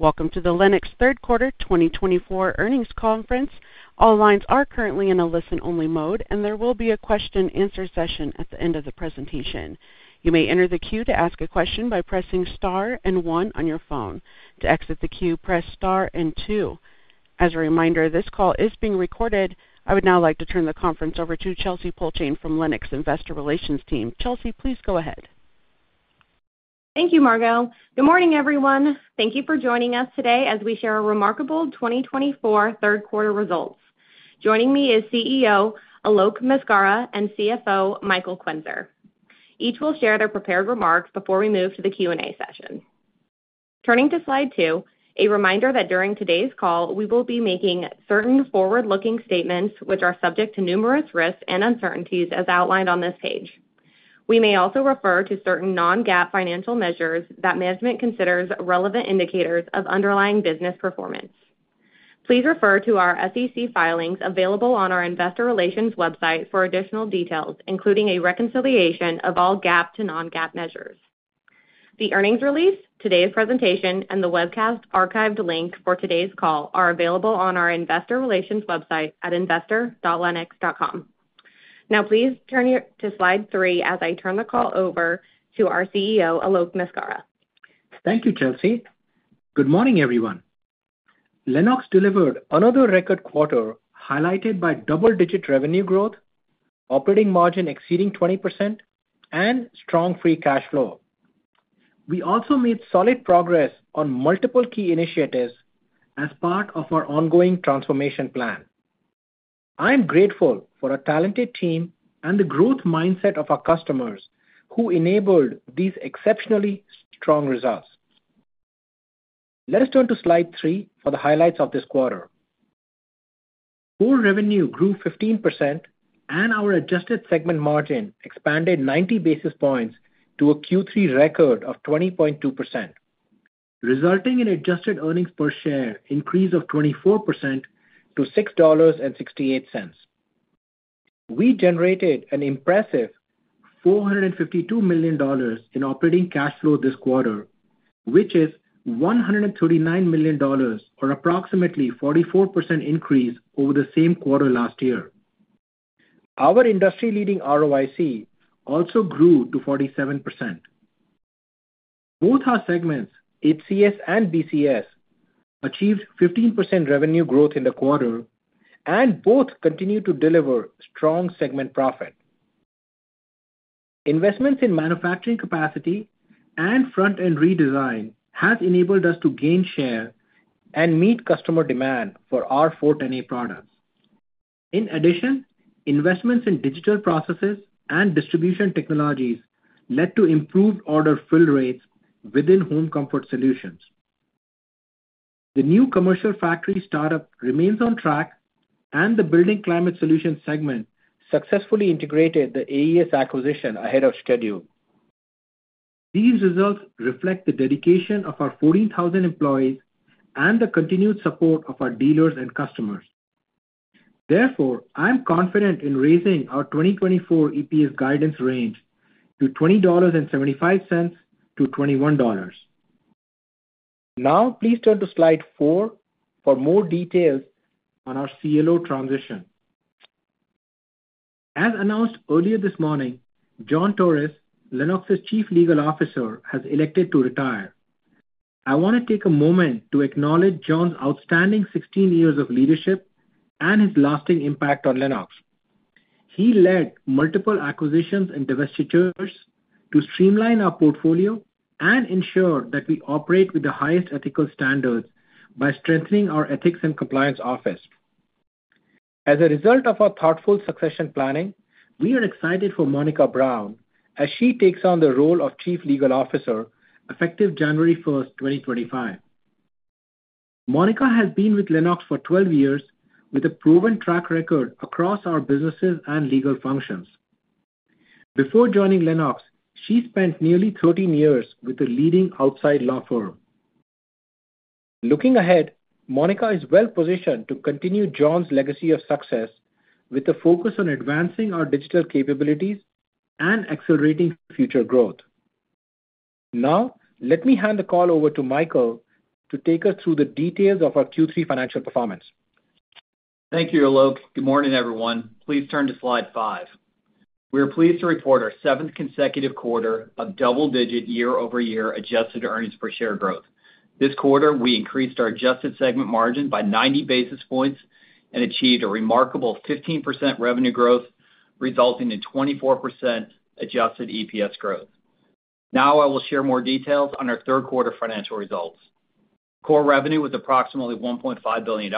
Welcome to the Lennox third quarter twenty twenty-four earnings conference. All lines are currently in a listen-only mode, and there will be a question-and-answer session at the end of the presentation. You may enter the queue to ask a question by pressing Star and One on your phone. To exit the queue, press Star and Two. As a reminder, this call is being recorded. I would now like to turn the conference over to Chelsey Pulcheon from Lennox Investor Relations team. Chelsea, please go ahead. Thank you, Margo. Good morning, everyone. Thank you for joining us today as we share our remarkable twenty twenty-four third quarter results. Joining me is CEO, Alok Maskara, and CFO, Michael Quenzer. Each will share their prepared remarks before we move to the Q&A session. Turning to slide two, a reminder that during today's call, we will be making certain forward-looking statements which are subject to numerous risks and uncertainties as outlined on this page. We may also refer to certain non-GAAP financial measures that management considers relevant indicators of underlying business performance. Please refer to our SEC filings available on our investor relations website for additional details, including a reconciliation of all GAAP to non-GAAP measures. The earnings release, today's presentation, and the webcast archived link for today's call are available on our investor relations website at investor.lennox.com. Now, please turn to slide three as I turn the call over to our CEO, Alok Maskara. Thank you, Chelsea. Good morning, everyone. Lennox delivered another record quarter, highlighted by double-digit revenue growth, operating margin exceeding 20%, and strong free cash flow. We also made solid progress on multiple key initiatives as part of our ongoing transformation plan. I am grateful for our talented team and the growth mindset of our customers, who enabled these exceptionally strong results. Let us turn to slide three for the highlights of this quarter. Core revenue grew 15%, and our adjusted segment margin expanded ninety basis points to a Q3 record of 20.2%, resulting in adjusted earnings per share increase of 24% to $6.68. We generated an impressive $452 million in operating cash flow this quarter, which is $139 million or approximately 44% increase over the same quarter last year. Our industry-leading ROIC also grew to 47%. Both our segments, HCS and BCS, achieved 15% revenue growth in the quarter, and both continued to deliver strong segment profit. Investments in manufacturing capacity and front-end redesign have enabled us to gain share and meet customer demand for our R-410A products. In addition, investments in digital processes and distribution technologies led to improved order fill rates within Home Comfort Solutions. The new commercial factory startup remains on track, and the Building Climate Solutions segment successfully integrated the AES acquisition ahead of schedule. These results reflect the dedication of our 14,000 employees and the continued support of our dealers and customers. Therefore, I'm confident in raising our 2024 EPS guidance range to $20.75-$21. Now, please turn to slide 4 for more details on our CLO transition. As announced earlier this morning, John Torres, Lennox's Chief Legal Officer, has elected to retire. I want to take a moment to acknowledge John's outstanding sixteen years of leadership and his lasting impact on Lennox. He led multiple acquisitions and divestitures to streamline our portfolio and ensure that we operate with the highest ethical standards by strengthening our ethics and compliance office. As a result of our thoughtful succession planning, we are excited for Monica Brown as she takes on the role of Chief Legal Officer, effective January first, 2025. Monica has been with Lennox for twelve years, with a proven track record across our businesses and legal functions. Before joining Lennox, she spent nearly thirteen years with a leading outside law firm. Looking ahead, Monica is well-positioned to continue John's legacy of success, with a focus on advancing our digital capabilities and accelerating future growth. Now, let me hand the call over to Michael to take us through the details of our Q3 financial performance. Thank you, Alok. Good morning, everyone. Please turn to slide five. We are pleased to report our seventh consecutive quarter of double-digit year-over-year adjusted earnings per share growth. This quarter, we increased our adjusted segment margin by 90 basis points and achieved a remarkable 15% revenue growth, resulting in 24% adjusted EPS growth. Now, I will share more details on our third quarter financial results. Core revenue was approximately $1.5 billion,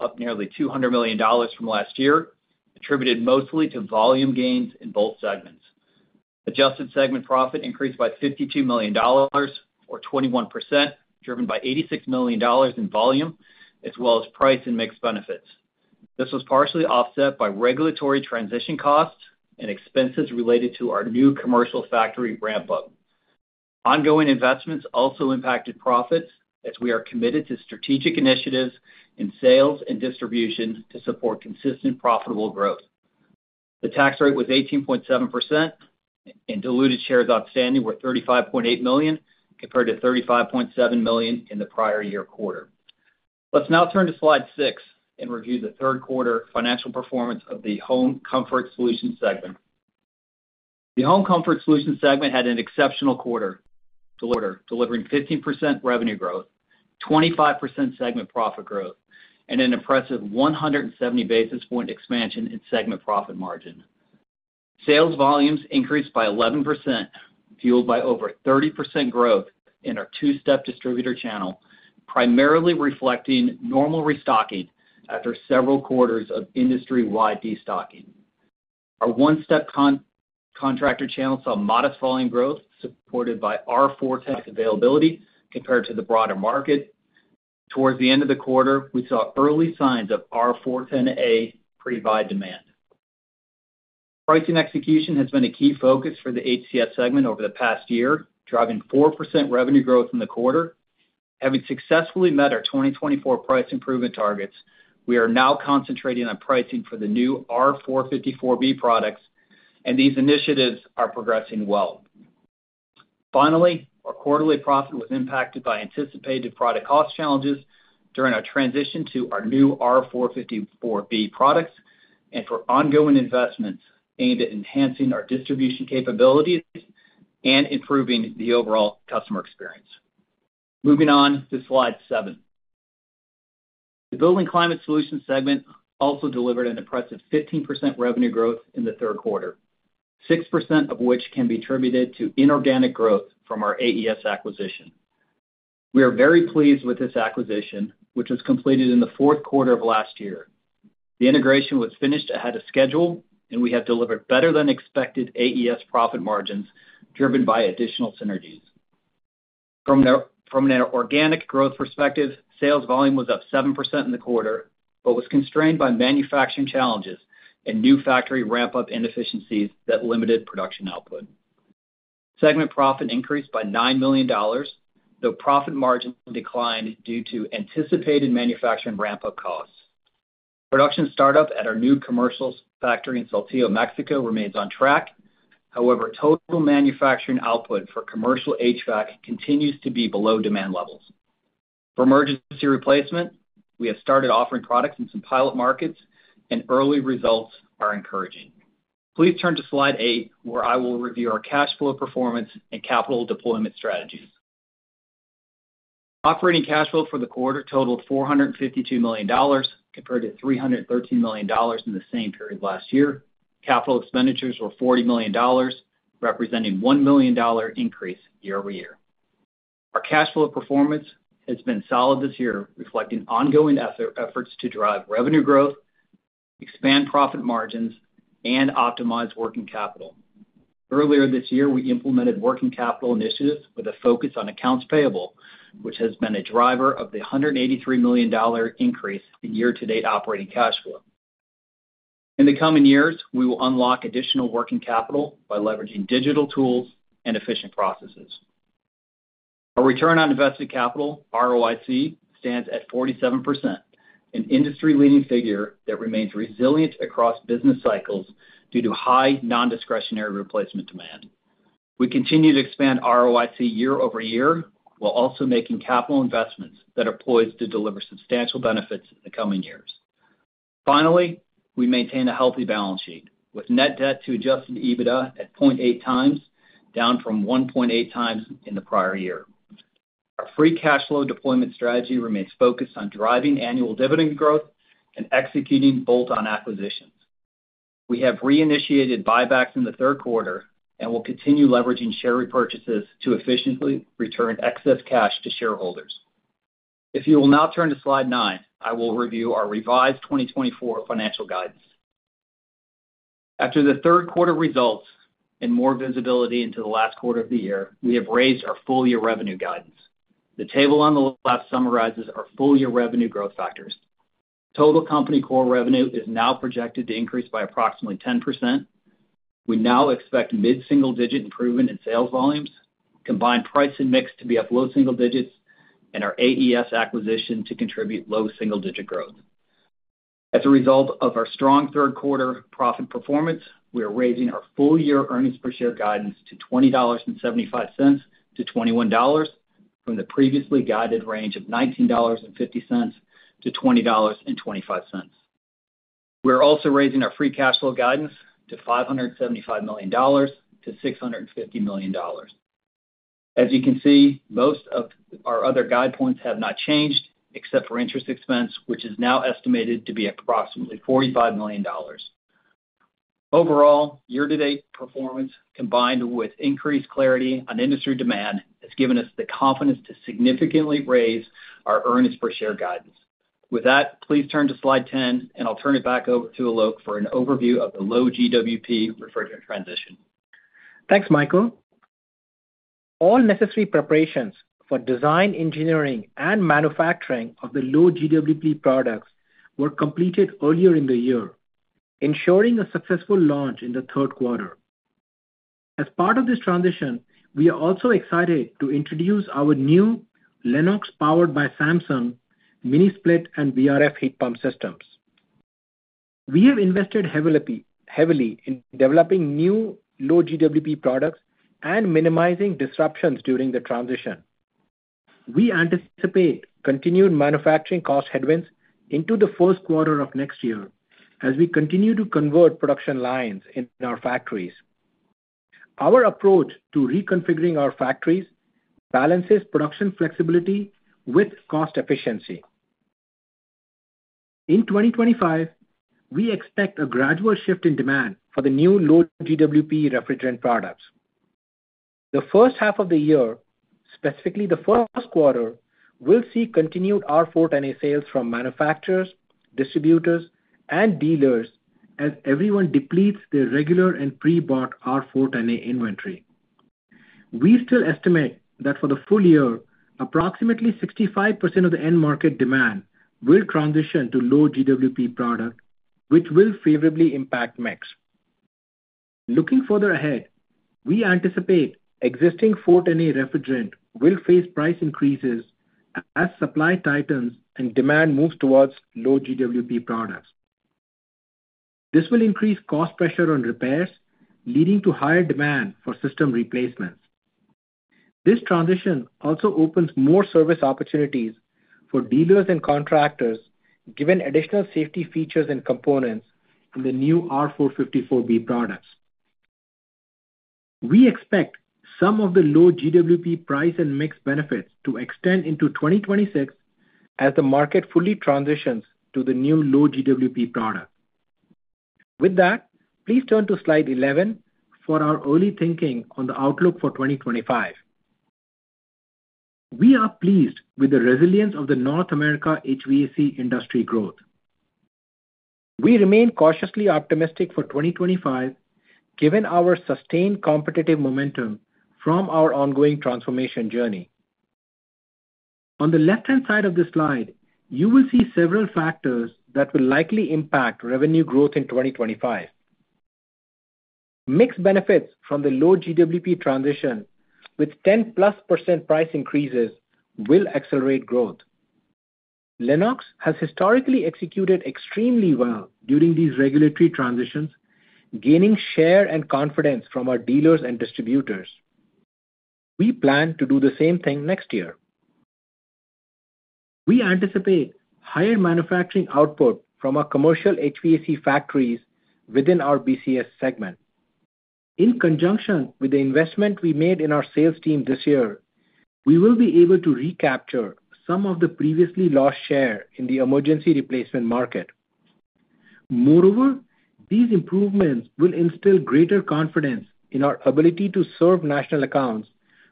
up nearly $200 million from last year, attributed mostly to volume gains in both segments. Adjusted segment profit increased by $52 million, or 21%, driven by $86 million in volume, as well as price and mix benefits. This was partially offset by regulatory transition costs and expenses related to our new commercial factory ramp-up. Ongoing investments also impacted profits, as we are committed to strategic initiatives in sales and distribution to support consistent, profitable growth. The tax rate was 18.7%, and diluted shares outstanding were 35.8 million, compared to 35.7 million in the prior year quarter. Let's now turn to Slide 6 and review the third quarter financial performance of the Home Comfort Solutions segment. The Home Comfort Solutions segment had an exceptional quarter, delivering 15% revenue growth, 25% segment profit growth, and an impressive 170 basis point expansion in segment profit margin. Sales volumes increased by 11%, fueled by over 30% growth in our two-step distributor channel, primarily reflecting normal restocking after several quarters of industry-wide destocking. Our one-step contractor channel saw modest volume growth, supported by R-410A availability compared to the broader market. Towards the end of the quarter, we saw early signs of R-410A pre-buy demand. Pricing execution has been a key focus for the HCS segment over the past year, driving 4% revenue growth in the quarter. Having successfully met our 2024 price improvement targets, we are now concentrating on pricing for the new R-454B products, and these initiatives are progressing well. Finally, our quarterly profit was impacted by anticipated product cost challenges during our transition to our new R-454B products, and for ongoing investments aimed at enhancing our distribution capabilities and improving the overall customer experience. Moving on to Slide 7. The Building Climate Solutions segment also delivered an impressive 15% revenue growth in the third quarter, 6% of which can be attributed to inorganic growth from our AES acquisition. We are very pleased with this acquisition, which was completed in the fourth quarter of last year. The integration was finished ahead of schedule, and we have delivered better than expected AES profit margins, driven by additional synergies. From an organic growth perspective, sales volume was up 7% in the quarter, but was constrained by manufacturing challenges and new factory ramp-up inefficiencies that limited production output. Segment profit increased by $9 million, though profit margin declined due to anticipated manufacturing ramp-up costs. Production startup at our new commercial factory in Saltillo, Mexico, remains on track. However, total manufacturing output for commercial HVAC continues to be below demand levels. For emergency replacement, we have started offering products in some pilot markets, and early results are encouraging. Please turn to Slide 8, where I will review our cash flow performance and capital deployment strategies. Operating cash flow for the quarter totaled $452 million, compared to $313 million in the same period last year. Capital expenditures were $40 million, representing $1 million increase year over year. Our cash flow performance has been solid this year, reflecting ongoing efforts to drive revenue growth, expand profit margins, and optimize working capital. Earlier this year, we implemented working capital initiatives with a focus on accounts payable, which has been a driver of the $183 million increase in year-to-date operating cash flow. In the coming years, we will unlock additional working capital by leveraging digital tools and efficient processes. Our return on invested capital, ROIC, stands at 47%, an industry-leading figure that remains resilient across business cycles due to high non-discretionary replacement demand. We continue to expand ROIC year over year, while also making capital investments that are poised to deliver substantial benefits in the coming years. Finally, we maintain a healthy balance sheet, with net debt to adjusted EBITDA at 0.8 times, down from 1.8 times in the prior year. Our free cash flow deployment strategy remains focused on driving annual dividend growth and executing bolt-on acquisitions. We have reinitiated buybacks in the third quarter and will continue leveraging share repurchases to efficiently return excess cash to shareholders. If you will now turn to Slide nine, I will review our revised 2024 financial guidance. After the third quarter results and more visibility into the last quarter of the year, we have raised our full-year revenue guidance. The table on the left summarizes our full-year revenue growth factors. Total company core revenue is now projected to increase by approximately 10%. We now expect mid-single-digit improvement in sales volumes, combined price and mix to be up low single digits, and our AES acquisition to contribute low double single-digit growth. As a result of our strong third quarter profit performance, we are raising our full-year earnings per share guidance to $20.75 to $21, from the previously guided range of $19.50 to $20.25. We are also raising our free cash flow guidance to $575 million to $650 million. As you can see, most of our other guide points have not changed, except for interest expense, which is now estimated to be approximately $45 million. Overall, year-to-date performance, combined with increased clarity on industry demand, has given us the confidence to significantly raise our earnings per share guidance. With that, please turn to Slide 10, and I'll turn it back over to Alok for an overview of the low GWP refrigerant transition. Thanks, Michael. All necessary preparations for design, engineering, and manufacturing of the low GWP products were completed earlier in the year, ensuring a successful launch in the third quarter. As part of this transition, we are also excited to introduce our new Lennox, powered by Samsung, mini split and VRF heat pump systems. We have invested heavily, heavily in developing new low GWP products and minimizing disruptions during the transition. We anticipate continued manufacturing cost headwinds into the first quarter of next year as we continue to convert production lines in our factories. Our approach to reconfiguring our factories balances production flexibility with cost efficiency. In twenty twenty-five, we expect a gradual shift in demand for the new low GWP refrigerant products. The first half of the year, specifically the first quarter, will see continued R-410A sales from manufacturers, distributors, and dealers as everyone depletes their regular and pre-bought R-410A inventory. We still estimate that for the full year, approximately 65% of the end market demand will transition to low GWP product, which will favorably impact mix. Looking further ahead, we anticipate existing R-410A refrigerant will face price increases as supply tightens and demand moves towards low GWP products. This will increase cost pressure on repairs, leading to higher demand for system replacements. This transition also opens more service opportunities for dealers and contractors, given additional safety features and components in the new R-454B products. We expect some of the low GWP price and mix benefits to extend into 2026, as the market fully transitions to the new low GWP product. With that, please turn to Slide 11 for our early thinking on the outlook for 2025. We are pleased with the resilience of the North America HVAC industry growth. We remain cautiously optimistic for twenty twenty-five, given our sustained competitive momentum from our ongoing transformation journey. On the left-hand side of the slide, you will see several factors that will likely impact revenue growth in twenty twenty-five. Mixed benefits from the low GWP transition with 10-plus% price increases will accelerate growth. Lennox has historically executed extremely well during these regulatory transitions, gaining share and confidence from our dealers and distributors. We plan to do the same thing next year. We anticipate higher manufacturing output from our commercial HVAC factories within our BCS segment. In conjunction with the investment we made in our sales team this year, we will be able to recapture some of the previously lost share in the emergency replacement market. Moreover, these improvements will instill greater confidence in our ability to serve national accounts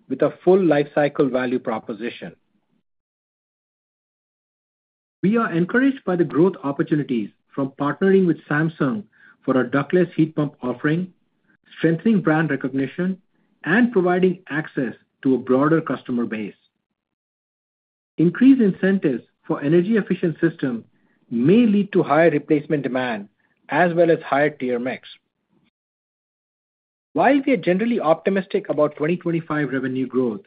with a full life cycle value proposition. We are encouraged by the growth opportunities from partnering with Samsung for our ductless heat pump offering, strengthening brand recognition, and providing access to a broader customer base. Increased incentives for energy efficient system may lead to higher replacement demand, as well as higher tier mix. While we are generally optimistic about twenty twenty-five revenue growth,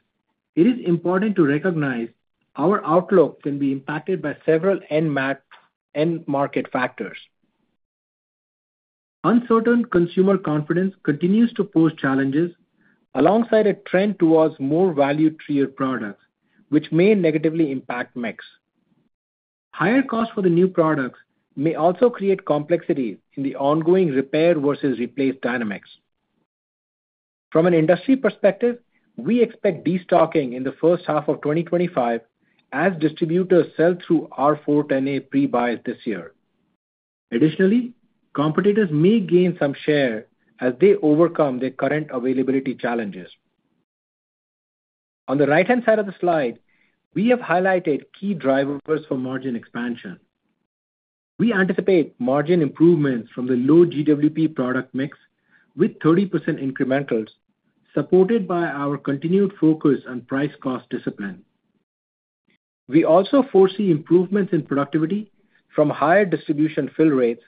it is important to recognize our outlook can be impacted by several end market factors. Uncertain consumer confidence continues to pose challenges alongside a trend towards more value tier products, which may negatively impact mix. Higher costs for the new products may also create complexities in the ongoing repair versus replace dynamics. From an industry perspective, we expect destocking in the first half of twenty twenty-five as distributors sell through R-410A pre-buys this year. Additionally, competitors may gain some share as they overcome their current availability challenges. On the right-hand side of the slide, we have highlighted key drivers for margin expansion. We anticipate margin improvements from the low GWP product mix with 30% incrementals, supported by our continued focus on price cost discipline. We also foresee improvements in productivity from higher distribution fill rates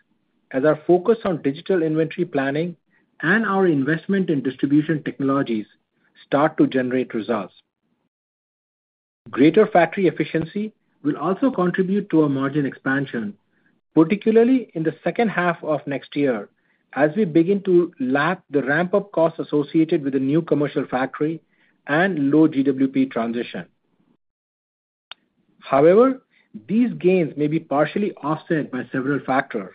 as our focus on digital inventory planning and our investment in distribution technologies start to generate results. Greater factory efficiency will also contribute to a margin expansion, particularly in the second half of next year, as we begin to lap the ramp-up costs associated with the new commercial factory and low GWP transition. However, these gains may be partially offset by several factors.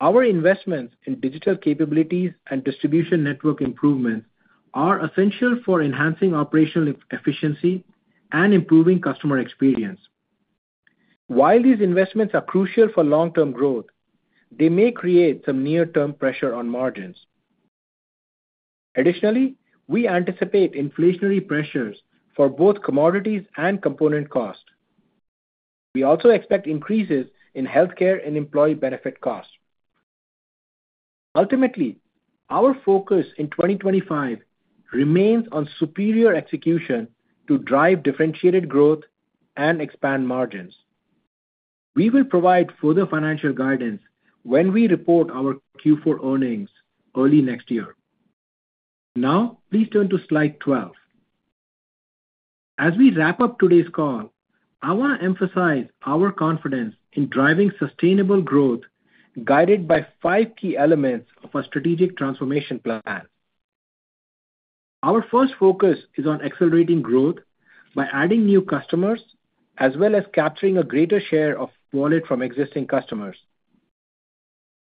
Our investments in digital capabilities and distribution network improvements are essential for enhancing operational efficiency and improving customer experience. While these investments are crucial for long-term growth, they may create some near-term pressure on margins. Additionally, we anticipate inflationary pressures for both commodities and component costs. We also expect increases in healthcare and employee benefit costs. Ultimately, our focus in 2025 remains on superior execution to drive differentiated growth and expand margins... We will provide further financial guidance when we report our Q4 earnings early next year. Now, please turn to slide 12. As we wrap up today's call, I wanna emphasize our confidence in driving sustainable growth, guided by five key elements of our strategic transformation plan. Our first focus is on accelerating growth by adding new customers, as well as capturing a greater share of wallet from existing customers.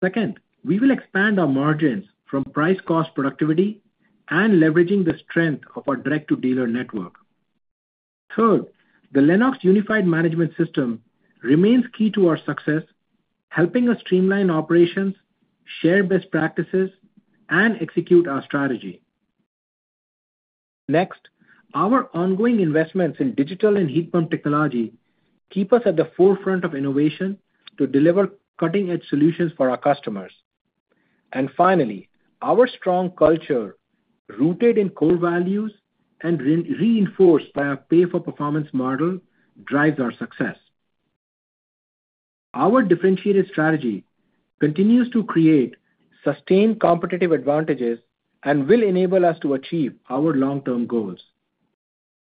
Second, we will expand our margins from price cost productivity and leveraging the strength of our direct-to-dealer network. Third, the Lennox Unified Management System remains key to our success, helping us streamline operations, share best practices, and execute our strategy. Next, our ongoing investments in digital and heat pump technology keep us at the forefront of innovation to deliver cutting-edge solutions for our customers. And finally, our strong culture, rooted in core values and re-reinforced by our pay-for-performance model, drives our success. Our differentiated strategy continues to create sustained competitive advantages and will enable us to achieve our long-term goals.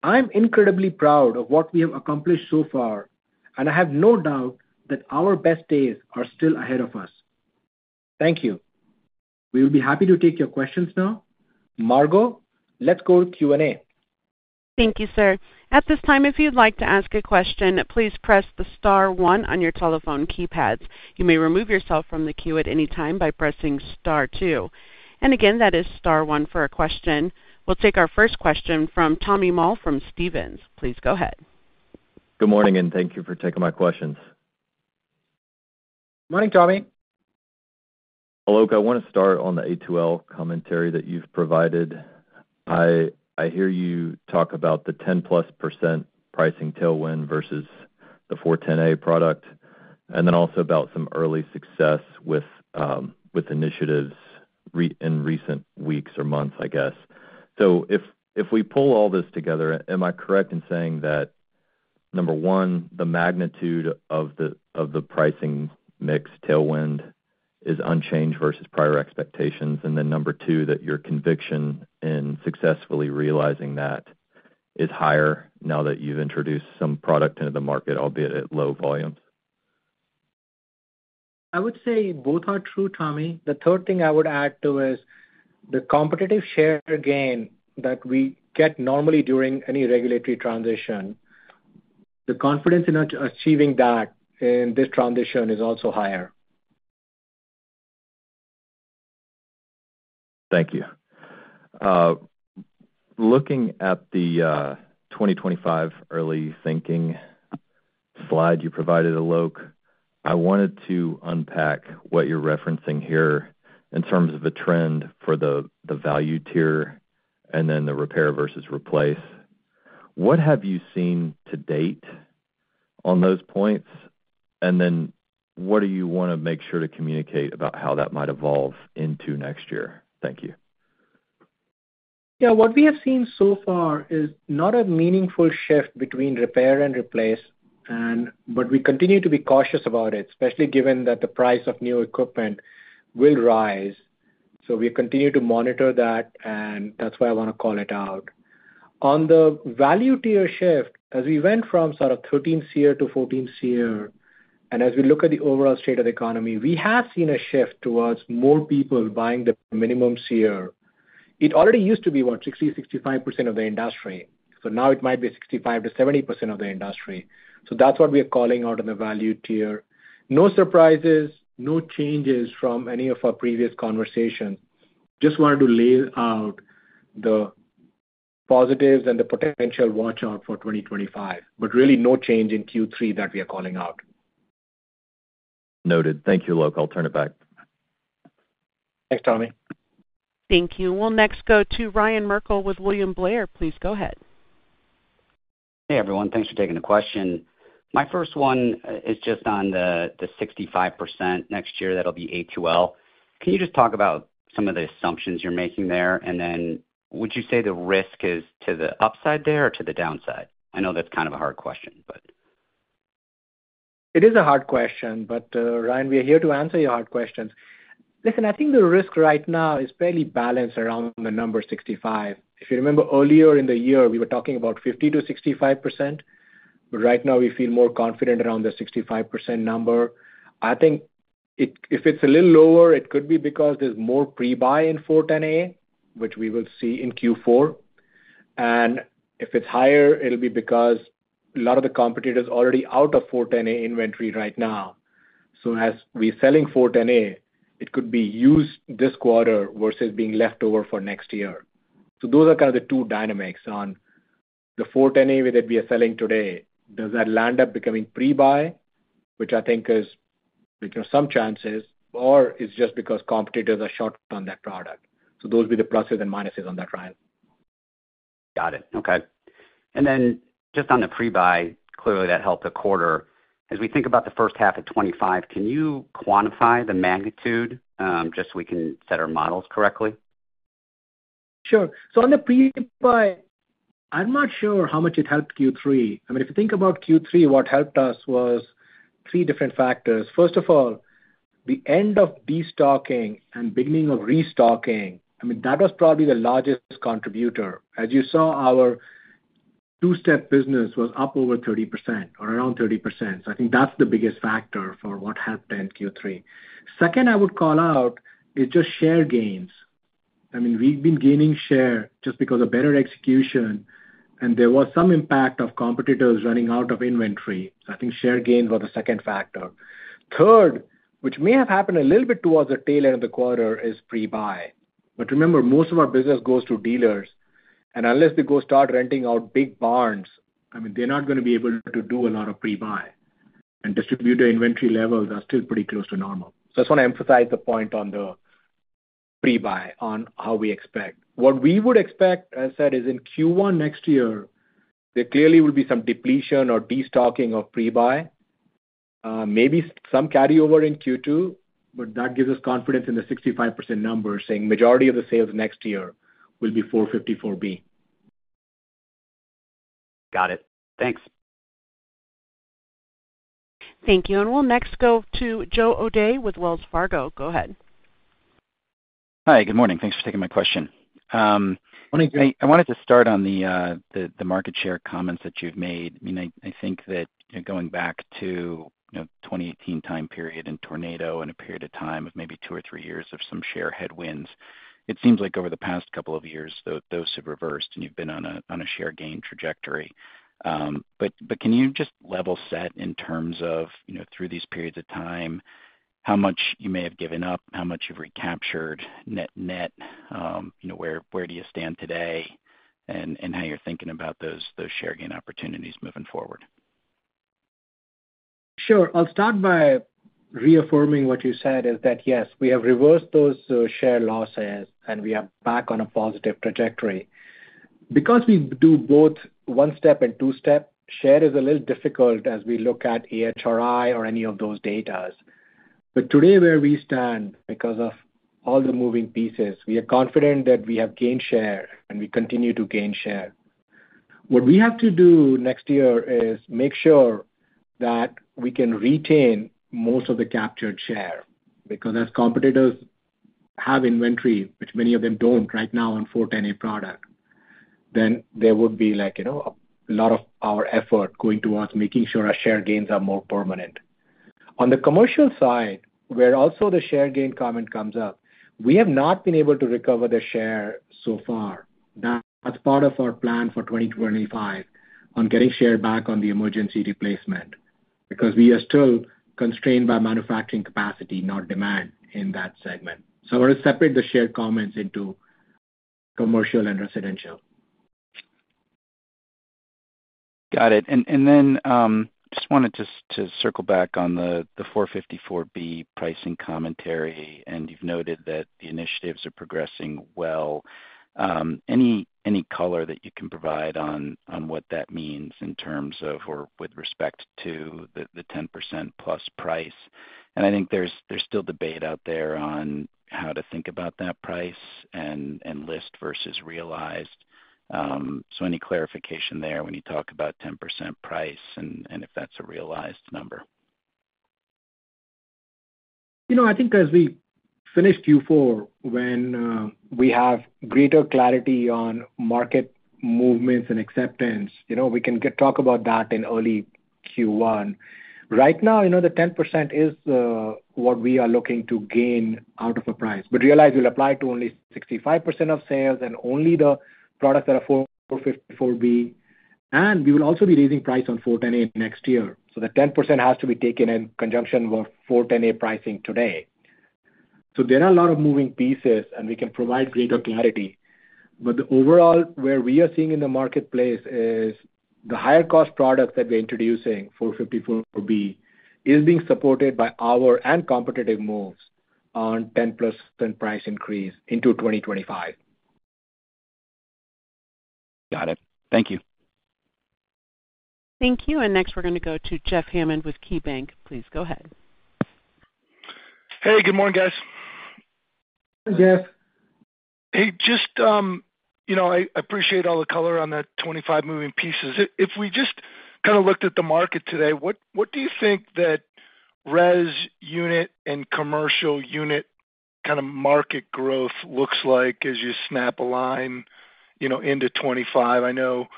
I'm incredibly proud of what we have accomplished so far, and I have no doubt that our best days are still ahead of us. Thank you. We will be happy to take your questions now. Margo, let's go to Q&A. Thank you, sir. At this time, if you'd like to ask a question, please press the star one on your telephone keypads. You may remove yourself from the queue at any time by pressing star two. And again, that is star one for a question. We'll take our first question from Tommy Moll from Stephens. Please go ahead. Good morning, and thank you for taking my questions. Morning, Tommy. Alok, I wanna start on the A2L commentary that you've provided. I hear you talk about the 10+% pricing tailwind versus the R-410A product, and then also about some early success with initiatives in recent weeks or months, I guess. So if we pull all this together, am I correct in saying that, number one, the magnitude of the pricing mix tailwind is unchanged versus prior expectations? And then, number two, that your conviction in successfully realizing that is higher now that you've introduced some product into the market, albeit at low volumes? I would say both are true, Tommy. The third thing I would add, too, is the competitive share gain that we get normally during any regulatory transition. The confidence in achieving that in this transition is also higher. Thank you. Looking at the 2025 early thinking slide you provided, Alok, I wanted to unpack what you're referencing here in terms of the trend for the value tier and then the repair versus replace. What have you seen to date on those points? And then what do you wanna make sure to communicate about how that might evolve into next year? Thank you. Yeah, what we have seen so far is not a meaningful shift between repair and replace, and, but we continue to be cautious about it, especially given that the price of new equipment will rise. So we continue to monitor that, and that's why I wanna call it out. On the value tier shift, as we went from sort of thirteen SEER to fourteen SEER, and as we look at the overall state of the economy, we have seen a shift towards more people buying the minimum SEER. It already used to be, what, sixty, sixty-five percent of the industry, so now it might be 65% to 70% of the industry. So that's what we are calling out on the value tier. No surprises, no changes from any of our previous conversations. Just wanted to lay out the positives and the potential watch out for 2025, but really no change in Q3 that we are calling out. Noted. Thank you, Alok. I'll turn it back. Thanks, Tommy. Thank you. We'll next go to Ryan Merkel with William Blair. Please go ahead. Hey, everyone. Thanks for taking the question. My first one is just on the 65% next year, that'll be A2L. Can you just talk about some of the assumptions you're making there? And then would you say the risk is to the upside there or to the downside? I know that's kind of a hard question, but. It is a hard question, but, Ryan, we are here to answer your hard questions. Listen, I think the risk right now is fairly balanced around the number 65. If you remember earlier in the year, we were talking about 50%-65%, but right now we feel more confident around the 65% number. I think it-- if it's a little lower, it could be because there's more pre-buy in R-410A, which we will see in Q4. And if it's higher, it'll be because a lot of the competitors are already out of R-410A inventory right now. So as we're selling R-410A, it could be used this quarter versus being left over for next year. So those are kind of the two dynamics on the R-410A that we are selling today. Does that end up becoming pre-buy, which I think is which are some challenges, or it's just because competitors are short on that product. So those will be the pluses and minuses on that, Ryan. Got it. Okay. And then just on the pre-buy, clearly, that helped the quarter. As we think about the first half of twenty-five, can you quantify the magnitude, just so we can set our models correctly?... Sure. So on the pre-buy, I'm not sure how much it helped Q3. I mean, if you think about Q3, what helped us was three different factors. First of all, the end of destocking and beginning of restocking, I mean, that was probably the largest contributor. As you saw, our two-step business was up over 30% or around 30%. So I think that's the biggest factor for what happened in Q3. Second, I would call out is just share gains. I mean, we've been gaining share just because of better execution, and there was some impact of competitors running out of inventory. So I think share gains were the second factor. Third, which may have happened a little bit towards the tail end of the quarter, is pre-buy. But remember, most of our business goes to dealers, and unless they go start renting out big barns, I mean, they're not gonna be able to do a lot of pre-buy, and distributor inventory levels are still pretty close to normal. So I just wanna emphasize the point on the pre-buy, on how we expect. What we would expect, as I said, is in Q1 next year, there clearly will be some depletion or destocking of pre-buy, maybe some carryover in Q2, but that gives us confidence in the 65% number, saying majority of the sales next year will be R-454B. Got it. Thanks. Thank you. And we'll next go to Joe O'Dea with Wells Fargo. Go ahead. Hi, good morning. Thanks for taking my question. Good morning, Joe. I wanted to start on the market share comments that you've made. I mean, I think that going back to, you know, 2018 time period and tornado and a period of time of maybe two or three years of some share headwinds, it seems like over the past couple of years, those have reversed, and you've been on a share gain trajectory. But can you just level set in terms of, you know, through these periods of time, how much you may have given up, how much you've recaptured net, you know, where do you stand today, and how you're thinking about those share gain opportunities moving forward? Sure. I'll start by reaffirming what you said, is that, yes, we have reversed those share losses, and we are back on a positive trajectory. Because we do both one-step and two-step, share is a little difficult as we look at AHRI or any of those data. But today, where we stand, because of all the moving pieces, we are confident that we have gained share, and we continue to gain share. What we have to do next year is make sure that we can retain most of the captured share, because as competitors have inventory, which many of them don't right now on R-410A product, then there would be like, you know, a lot of our effort going towards making sure our share gains are more permanent. On the commercial side, where also the share gain comment comes up, we have not been able to recover the share so far. That's part of our plan for 2025 on getting share back on the emergency replacement, because we are still constrained by manufacturing capacity, not demand, in that segment. So I want to separate the share comments into commercial and residential. Got it. And then, just wanted to circle back on the R-454B pricing commentary, and you've noted that the initiatives are progressing well. Any color that you can provide on what that means in terms of or with respect to the ten percent plus price? And I think there's still debate out there on how to think about that price and list versus realized. So any clarification there when you talk about 10% price and if that's a realized number? You know, I think as we finish Q4, when we have greater clarity on market movements and acceptance, you know, we can talk about that in early Q1. Right now, you know, the 10% is what we are looking to gain out of a price. But realize, we'll apply to only 65% of sales and only the products that are R-454B, and we will also be raising price on R-410A next year. So the 10% has to be taken in conjunction with R-410A pricing today. So there are a lot of moving pieces, and we can provide greater clarity, but overall, where we are seeing in the marketplace is the higher cost products that we're introducing, R-454B, is being supported by our and competitive moves on 10% plus price increase into 2025. Got it. Thank you. Thank you. And next, we're gonna go to Jeff Hammond with KeyBanc. Please go ahead. Hey, good morning, guys. Hey, Jeff. Hey, just, you know, I appreciate all the color on that 25 moving pieces. If we just kinda looked at the market today, what do you think that res unit and commercial unit kinda market growth looks like as you snap a line, you know, into 2025? I know,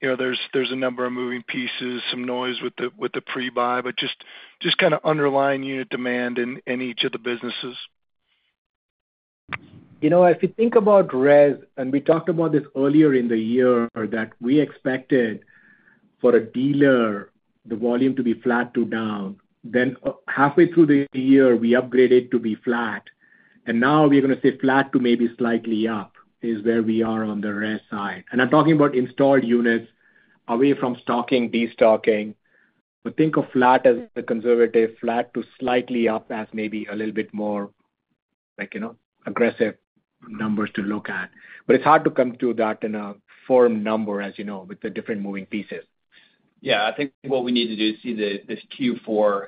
you know, there's a number of moving pieces, some noise with the pre-buy, but just kinda underlying unit demand in each of the businesses. You know, if you think about res, and we talked about this earlier in the year, that we expected for a dealer, the volume to be flat to down. Then, halfway through the year, we upgraded to be flat, and now we're gonna say flat to maybe slightly up, is where we are on the res side. And I'm talking about installed units away from stocking, destocking. But think of flat as a conservative, flat to slightly up as maybe a little bit more like, you know, aggressive numbers to look at. But it's hard to come to that in a firm number, as you know, with the different moving pieces.... Yeah, I think what we need to do is see this Q4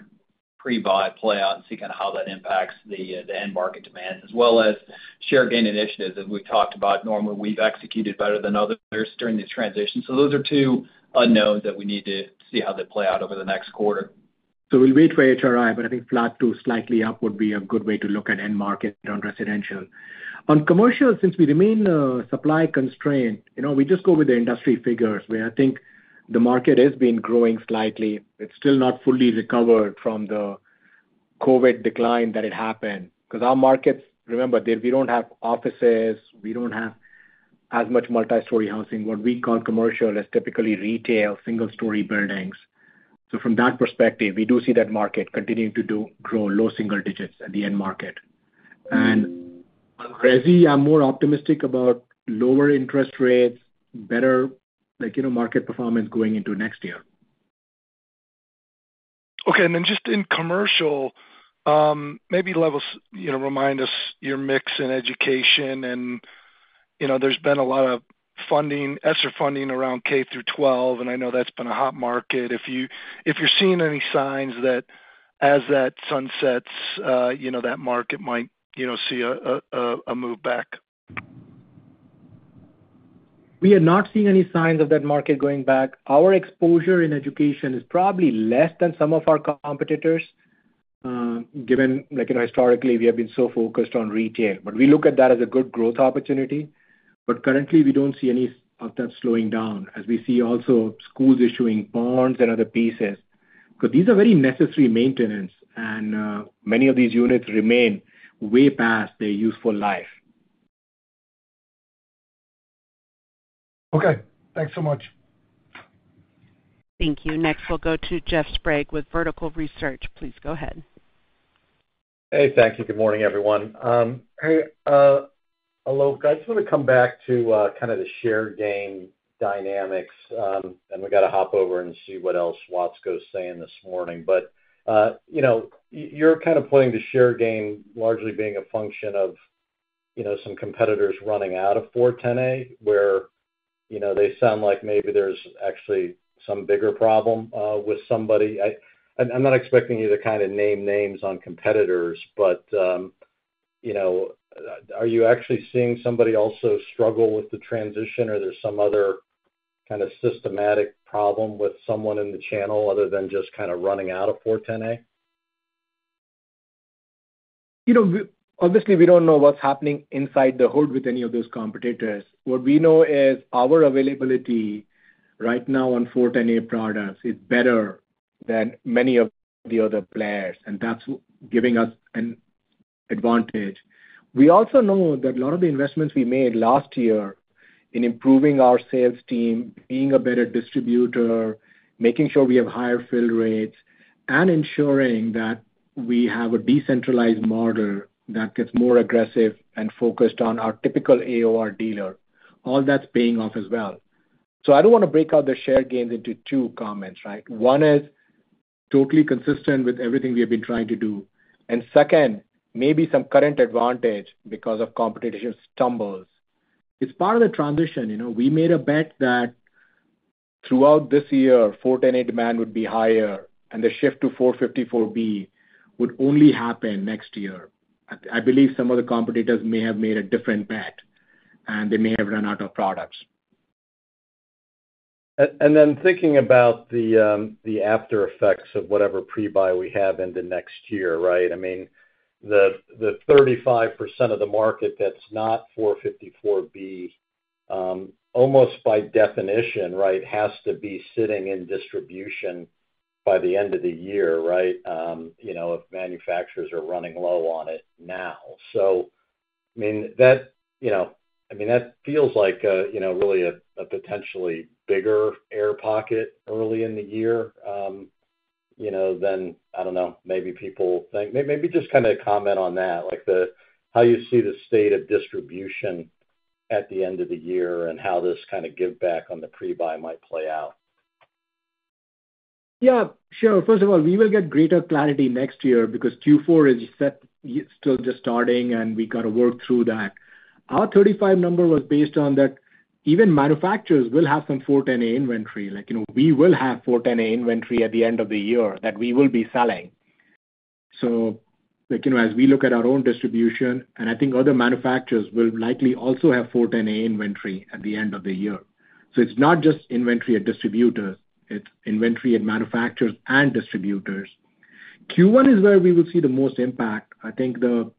pre-buy play out and see kind of how that impacts the end market demand, as well as share gain initiatives that we've talked about. Normally, we've executed better than others during this transition. So those are two unknowns that we need to see how they play out over the next quarter. So we'll wait for AHRI, but I think flat to slightly up would be a good way to look at end market on residential. On commercial, since we remain supply constrained, you know, we just go with the industry figures, where I think the market has been growing slightly. It's still not fully recovered from the COVID decline that had happened. Because our markets, remember, we don't have offices, we don't have as much multi-story housing. What we call commercial is typically retail, single-story buildings. So from that perspective, we do see that market continuing to do grow low single digits at the end market. And on resi, I'm more optimistic about lower interest rates, better, like, you know, market performance going into next year. Okay, and then just in commercial, maybe level-set, you know, remind us your mix in education, and, you know, there's been a lot of funding, ESSER funding around K through twelve, and I know that's been a hot market. If you, if you're seeing any signs that as that sunsets, you know, that market might, you know, see a move back. We are not seeing any signs of that market going back. Our exposure in education is probably less than some of our competitors, given, like historically, we have been so focused on retail. But we look at that as a good growth opportunity, but currently, we don't see any of that slowing down, as we see also schools issuing bonds and other pieces. So these are very necessary maintenance, and many of these units remain way past their useful life. Okay. Thanks so much. Thank you. Next, we'll go to Jeff Sprague with Vertical Research. Please go ahead. Hey, thank you. Good morning, everyone. Hey, Alok, I just want to come back to kind of the share gain dynamics, and we've got to hop over and see what else Watsco is saying this morning. But, you know, you're kind of playing the share game largely being a function of, you know, some competitors running out of R-410A, where, you know, they sound like maybe there's actually some bigger problem with somebody. I'm not expecting you to kind of name names on competitors, but, you know, are you actually seeing somebody also struggle with the transition, or there's some other kind of systematic problem with someone in the channel other than just kind of running out of R-410A? You know, we obviously don't know what's happening inside the hood with any of those competitors. What we know is our availability right now on R-410A products is better than many of the other players, and that's giving us an advantage. We also know that a lot of the investments we made last year in improving our sales team, being a better distributor, making sure we have higher fill rates, and ensuring that we have a decentralized model that gets more aggressive and focused on our typical AOR dealer, all that's paying off as well. So I don't want to break out the share gains into two comments, right? One is totally consistent with everything we have been trying to do, and second, maybe some current advantage because of competition stumbles. It's part of the transition, you know. We made a bet that throughout this year, R-410A demand would be higher, and the shift to R-454B would only happen next year. I believe some of the competitors may have made a different bet, and they may have run out of products. And then thinking about the aftereffects of whatever pre-buy we have into next year, right? I mean, the 35% of the market that's not R-454B, almost by definition, right, has to be sitting in distribution by the end of the year, right? You know, if manufacturers are running low on it now. So, I mean, that, you know, I mean, that feels like a really a potentially bigger air pocket early in the year, you know, than, I don't know, maybe people think. Maybe just kind of comment on that, like, the how you see the state of distribution at the end of the year and how this kind of give back on the pre-buy might play out. Yeah, sure. First of all, we will get greater clarity next year because Q4 is set, still just starting, and we got to work through that. Our thirty-five number was based on that even manufacturers will have some R-410A inventory. Like, you know, we will have R-410A inventory at the end of the year that we will be selling. So, like, you know, as we look at our own distribution, and I think other manufacturers will likely also have R-410A inventory at the end of the year. So it's not just inventory at distributors, it's inventory at manufacturers and distributors. Q1 is where we will see the most impact. I think the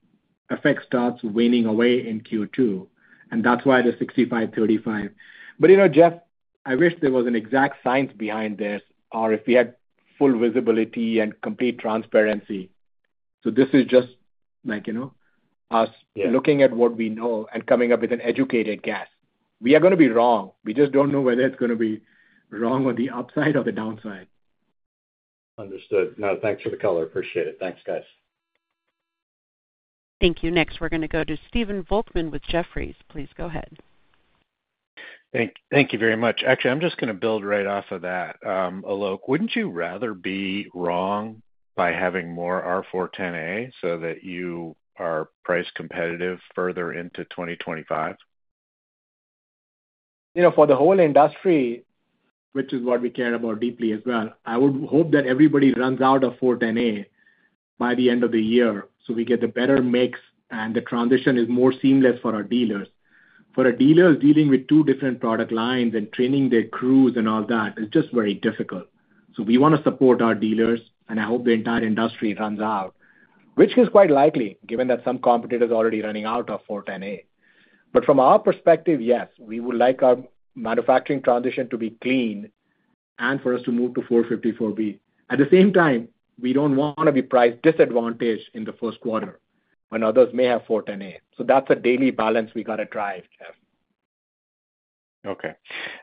effect starts waning away in Q2, and that's why the sixty-five, thirty-five. But, you know, Jeff, I wish there was an exact science behind this, or if we had full visibility and complete transparency. So this is just like, you know, us- Yeah... looking at what we know and coming up with an educated guess. We are gonna be wrong. We just don't know whether it's gonna be wrong on the upside or the downside. Understood. No, thanks for the color. Appreciate it. Thanks, guys. Thank you. Next, we're gonna go to Stephen Volkmann with Jefferies. Please go ahead. Thank, thank you very much. Actually, I'm just gonna build right off of that. Alok, wouldn't you rather be wrong by having more R-410A, so that you are price competitive further into twenty twenty-five?... You know, for the whole industry, which is what we care about deeply as well, I would hope that everybody runs out of R-410A by the end of the year, so we get a better mix, and the transition is more seamless for our dealers. For our dealers, dealing with two different product lines and training their crews and all that is just very difficult. So we wanna support our dealers, and I hope the entire industry runs out, which is quite likely, given that some competitors are already running out of R-410A. But from our perspective, yes, we would like our manufacturing transition to be clean and for us to move to R-454B. At the same time, we don't wanna be price disadvantaged in the first quarter when others may have R-410A. So that's a daily balance we gotta drive, Jeff. Okay.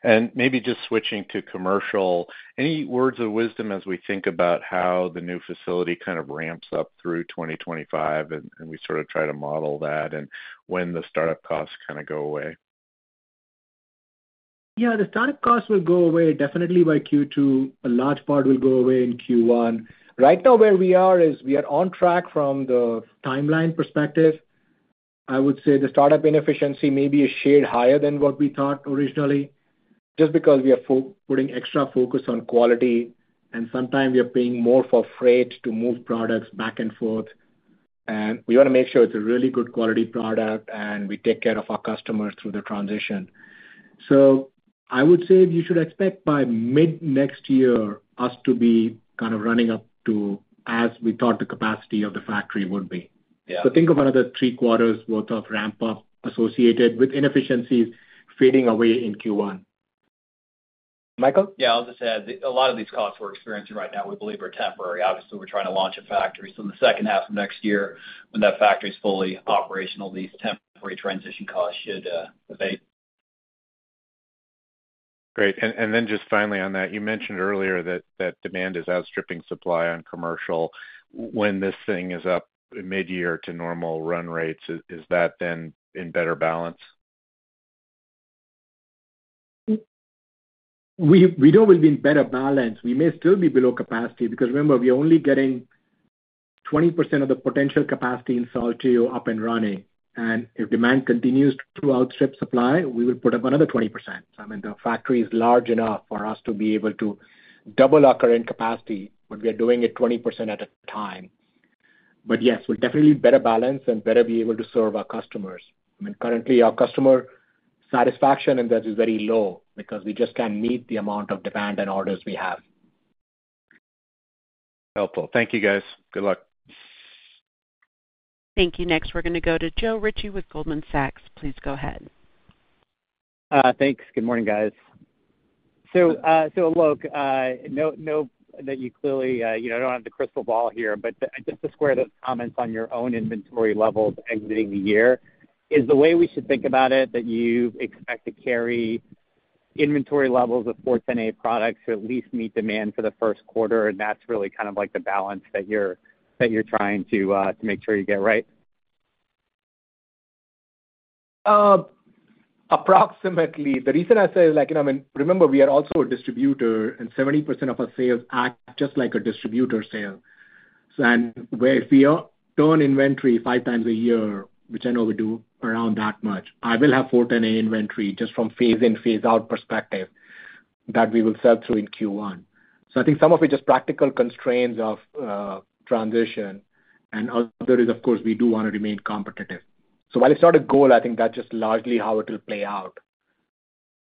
And maybe just switching to commercial, any words of wisdom as we think about how the new facility kind of ramps up through 2025, and we sort of try to model that, and when the startup costs kind of go away? Yeah, the startup costs will go away definitely by Q2. A large part will go away in Q1. Right now, where we are is we are on track from the timeline perspective. I would say the startup inefficiency may be a shade higher than what we thought originally, just because we are putting extra focus on quality, and sometimes we are paying more for freight to move products back and forth. We wanna make sure it's a really good quality product, and we take care of our customers through the transition. So I would say you should expect by mid-next year us to be kind of running up to, as we thought the capacity of the factory would be. Yeah. So think of another three quarters worth of ramp-up associated with inefficiencies fading away in Q1. Michael? Yeah, I'll just add, a lot of these costs we're experiencing right now we believe are temporary. Obviously, we're trying to launch a factory. So in the second half of next year, when that factory is fully operational, these temporary transition costs should abate. Great. And then just finally on that, you mentioned earlier that demand is outstripping supply on commercial. When this thing is up mid-year to normal run rates, is that then in better balance? We know we'll be in better balance. We may still be below capacity, because remember, we're only getting 20% of the potential capacity in Saltillo up and running, and if demand continues to outstrip supply, we will put up another 20%. I mean, the factory is large enough for us to be able to double our current capacity, but we are doing it 20% at a time, but yes, we're definitely better balanced and better be able to serve our customers. I mean, currently, our customer satisfaction in this is very low because we just can't meet the amount of demand and orders we have. Helpful. Thank you, guys. Good luck. Thank you. Next, we're gonna go to Joe Ritchie with Goldman Sachs. Please go ahead. Thanks. Good morning, guys. So, look, you know, you know that you clearly, you know, don't have the crystal ball here, but just to square those comments on your own inventory levels exiting the year, is the way we should think about it, that you expect to carry inventory levels of R-410A products to at least meet demand for the first quarter, and that's really kind of like the balance that you're trying to make sure you get right? Approximately. The reason I say, like, you know, I mean, remember, we are also a distributor, and 70% of our sales act just like a distributor sale. So and where if we turn inventory five times a year, which I know we do around that much, I will have R-410A inventory just from phase in, phase out perspective that we will sell through in Q1. So I think some of it just practical constraints of, uh, transition, and other is, of course, we do wanna remain competitive. So while it's not a goal, I think that's just largely how it will play out,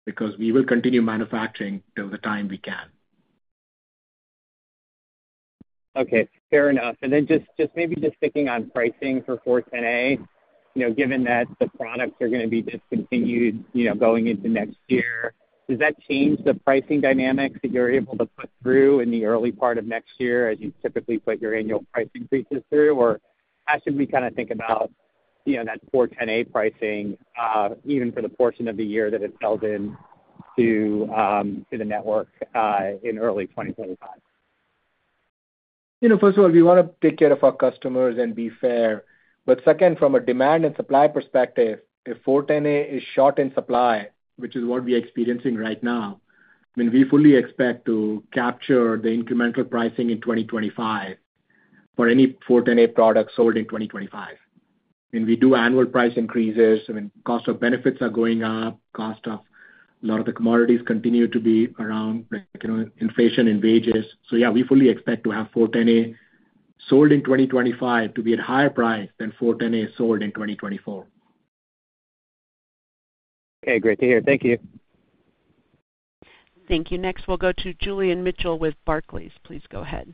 because we will continue manufacturing till the time we can. Okay, fair enough. And then just maybe sticking on pricing for R-410A, you know, given that the products are gonna be discontinued, you know, going into next year, does that change the pricing dynamics that you're able to put through in the early part of next year, as you typically put your annual price increases through? Or how should we kinda think about, you know, that R-410A pricing, even for the portion of the year that it's built in to the network, in early 2025? You know, first of all, we wanna take care of our customers and be fair. But second, from a demand and supply perspective, if R-410A is short in supply, which is what we are experiencing right now, I mean, we fully expect to capture the incremental pricing in 2025 for any R-410A product sold in 2025. And we do annual price increases. I mean, cost of benefits are going up, cost of a lot of the commodities continue to be around, like, you know, inflation and wages. So yeah, we fully expect to have R-410A sold in 2025 to be at higher price than R-410A sold in 2024. Okay, great to hear. Thank you. Thank you. Next, we'll go to Julian Mitchell with Barclays. Please go ahead.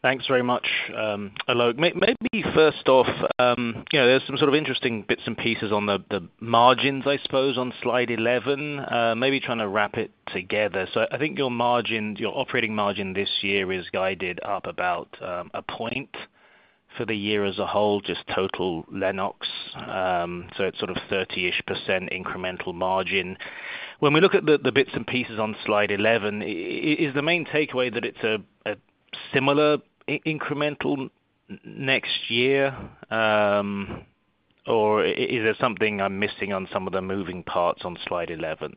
Thanks very much, Alok. Maybe first off, you know, there's some sort of interesting bits and pieces on the margins, I suppose, on slide eleven. Maybe trying to wrap it together. So I think your margin, your operating margin this year is guided up about a point for the year as a whole, just total Lennox. So it's sort of thirty-ish% incremental margin. When we look at the bits and pieces on slide eleven, is the main takeaway that it's a similar incremental next year, or is there something I'm missing on some of the moving parts on slide eleven?...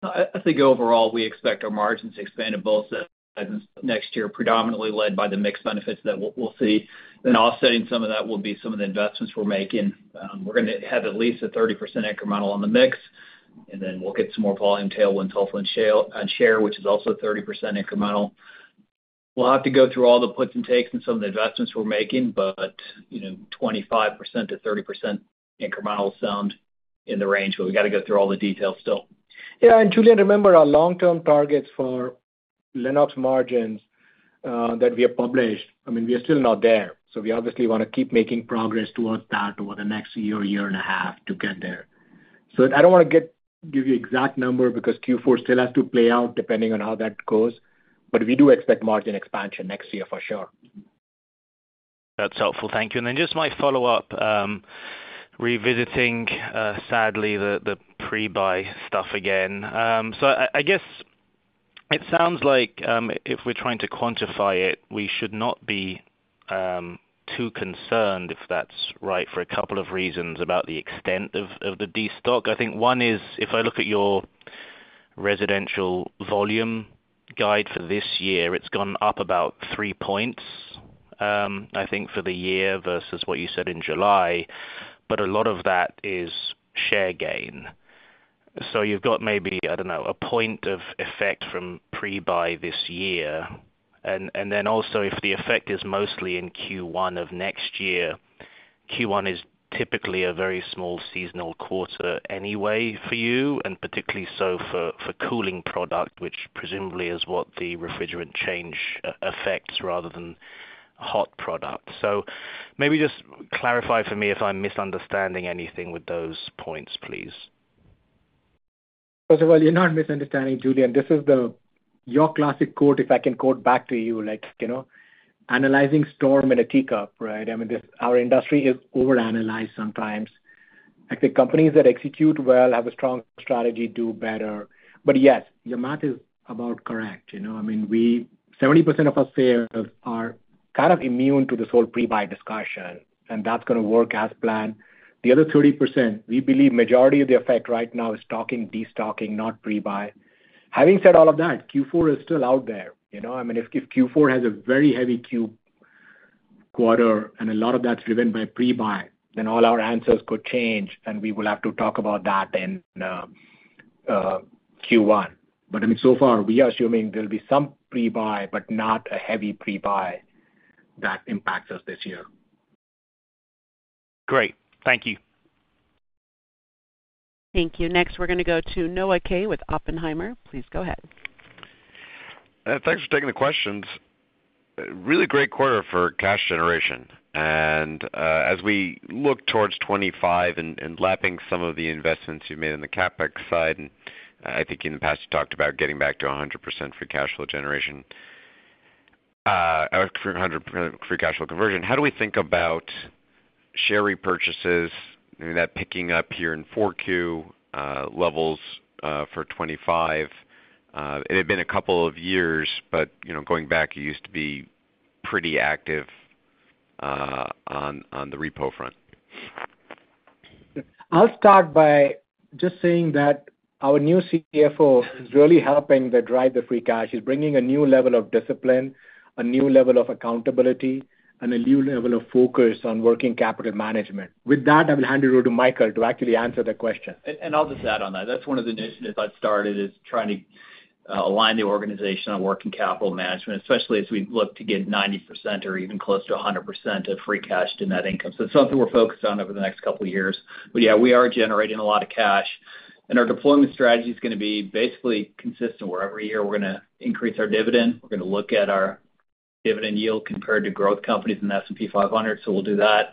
I think overall, we expect our margins to expand in both the next year, predominantly led by the mix benefits that we'll see. Then offsetting some of that will be some of the investments we're making. We're gonna have at least a 30% incremental on the mix, and then we'll get some more volume tailwind twofold on share, which is also 30% incremental. We'll have to go through all the puts and takes in some of the investments we're making, but, you know, 25% to 30% incremental sound in the range, but we got to go through all the details still. Yeah, and Julian, remember our long-term targets for Lennox margins that we have published. I mean, we are still not there. So we obviously wanna keep making progress towards that over the next year, year and a half to get there. So I don't wanna give you exact number because Q4 still has to play out, depending on how that goes, but we do expect margin expansion next year for sure. That's helpful. Thank you. And then just my follow-up, revisiting, sadly, the pre-buy stuff again. So I guess it sounds like, if we're trying to quantify it, we should not be too concerned, if that's right, for a couple of reasons about the extent of the destock. I think one is, if I look at your residential volume guide for this year, it's gone up about three points, I think for the year versus what you said in July, but a lot of that is share gain. So you've got maybe, I don't know, a point of effect from pre-buy this year. Then also, if the effect is mostly in Q1 of next year, Q1 is typically a very small seasonal quarter anyway for you, and particularly so for cooling product, which presumably is what the refrigerant change affects rather than hot products. So maybe just clarify for me if I'm misunderstanding anything with those points, please. First of all, you're not misunderstanding, Julian. This is the, your classic quote, if I can quote back to you, like, you know, analyzing storm in a teacup, right? I mean, this, our industry is overanalyzed sometimes. I think companies that execute well, have a strong strategy, do better. But yes, your math is about correct. You know, I mean, we, 70% of our sales are kind of immune to this whole pre-buy discussion, and that's gonna work as planned. The other 30%, we believe majority of the effect right now is stocking, destocking, not pre-buy. Having said all of that, Q4 is still out there. You know, I mean, if Q4 has a very heavy fourth quarter and a lot of that's driven by pre-buy, then all our answers could change, and we will have to talk about that in Q1. But, I mean, so far, we are assuming there'll be some pre-buy, but not a heavy pre-buy that impacts us this year. Great. Thank you. Thank you. Next, we're gonna go to Noah Kaye with Oppenheimer. Please go ahead. Thanks for taking the questions. Really great quarter for cash generation. And as we look towards 2025 and lapping some of the investments you've made on the CapEx side, and I think in the past, you talked about getting back to 100% free cash flow generation or 100% free cash flow conversion. How do we think about share repurchases, maybe that picking up here in 4Q levels for 2025? It had been a couple of years, but you know, going back, you used to be pretty active on the repo front. I'll start by just saying that our new CFO is really helping to drive the free cash. He's bringing a new level of discipline, a new level of accountability, and a new level of focus on working capital management. With that, I will hand it over to Michael to actually answer the question. I'll just add on that. That's one of the initiatives I've started, is trying to align the organization on working capital management, especially as we look to get 90% or even close to 100% of free cash to net income. So it's something we're focused on over the next couple of years. But yeah, we are generating a lot of cash, and our deployment strategy is gonna be basically consistent, where every year we're gonna increase our dividend. We're gonna look at our dividend yield compared to growth companies in the S&P 500, so we'll do that.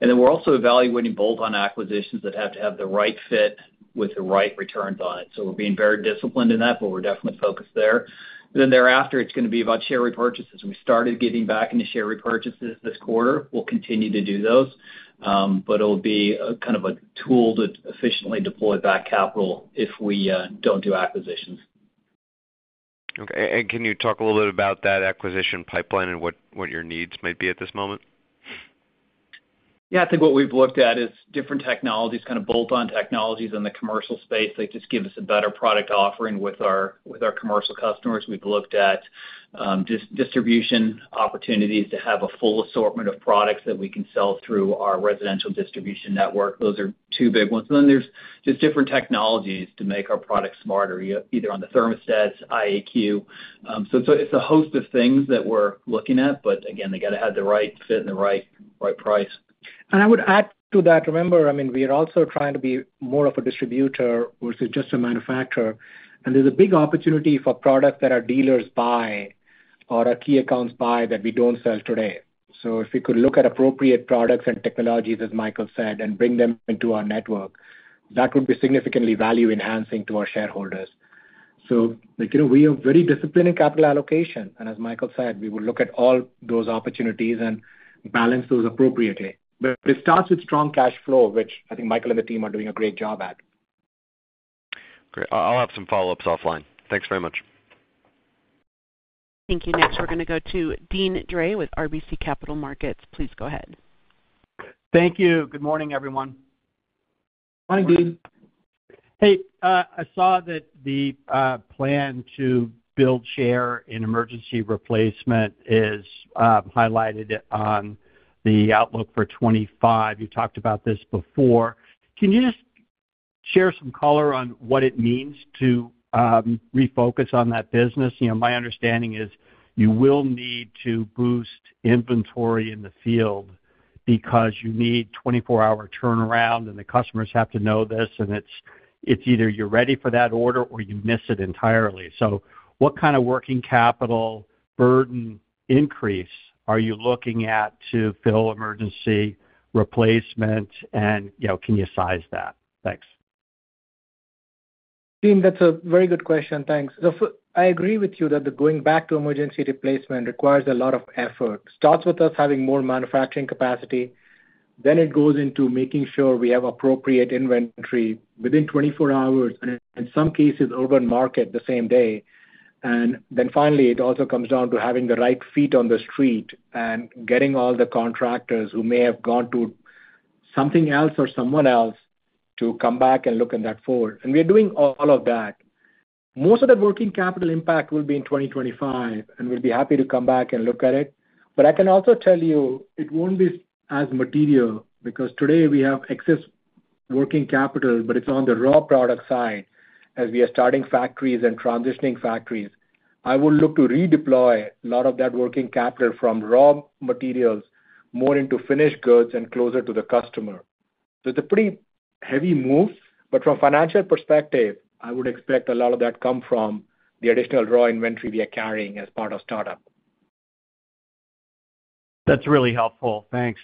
And then we're also evaluating bolt-on acquisitions that have to have the right fit with the right returns on it. So we're being very disciplined in that, but we're definitely focused there. Then thereafter, it's gonna be about share repurchases. We started getting back into share repurchases this quarter. We'll continue to do those, but it'll be a kind of a tool to efficiently deploy that capital if we don't do acquisitions. Okay. Can you talk a little bit about that acquisition pipeline and what your needs might be at this moment? Yeah, I think what we've looked at is different technologies, kind of bolt-on technologies in the commercial space, that just give us a better product offering with our commercial customers. We've looked at distribution opportunities to have a full assortment of products that we can sell through our residential distribution network. Those are two big ones. And then there's just different technologies to make our products smarter, either on the thermostats, IAQ. So it's a host of things that we're looking at, but again, they got to have the right fit and the right price. I would add to that, remember, I mean, we are also trying to be more of a distributor versus just a manufacturer, and there's a big opportunity for products that our dealers buy or our key accounts buy that we don't sell today. So if we could look at appropriate products and technologies, as Michael said, and bring them into our network, that would be significantly value-enhancing to our shareholders. So, you know, we are very disciplined in capital allocation, and as Michael said, we will look at all those opportunities and balance those appropriately. But it starts with strong cash flow, which I think Michael and the team are doing a great job at. Great. I'll have some follow-ups offline. Thanks very much.... Thank you. Next, we're gonna go to Deane Dray with RBC Capital Markets. Please go ahead. Thank you. Good morning, everyone. Good morning, Deane. Hey, I saw that the plan to build share in emergency replacement is highlighted on the outlook for 2025. You talked about this before. Can you just share some color on what it means to refocus on that business? You know, my understanding is you will need to boost inventory in the field because you need twenty-four-hour turnaround, and the customers have to know this, and it's either you're ready for that order or you miss it entirely. So what kind of working capital burden increase are you looking at to fill emergency replacement? And, you know, can you size that? Thanks. Deane, that's a very good question. Thanks, so I agree with you that the going back to emergency replacement requires a lot of effort. It starts with us having more manufacturing capacity, then it goes into making sure we have appropriate inventory within twenty-four hours, and in some cases, in urban markets the same day. Then finally, it also comes down to having the right feet on the street and getting all the contractors who may have gone to something else or someone else to come back and look into that forward. We are doing all of that. Most of the working capital impact will be in 2025, and we'll be happy to come back and look at it. But I can also tell you it won't be as material, because today we have excess working capital, but it's on the raw product side as we are starting factories and transitioning factories. I will look to redeploy a lot of that working capital from raw materials more into finished goods and closer to the customer. So it's a pretty heavy move, but from a financial perspective, I would expect a lot of that come from the additional raw inventory we are carrying as part of startup. That's really helpful. Thanks,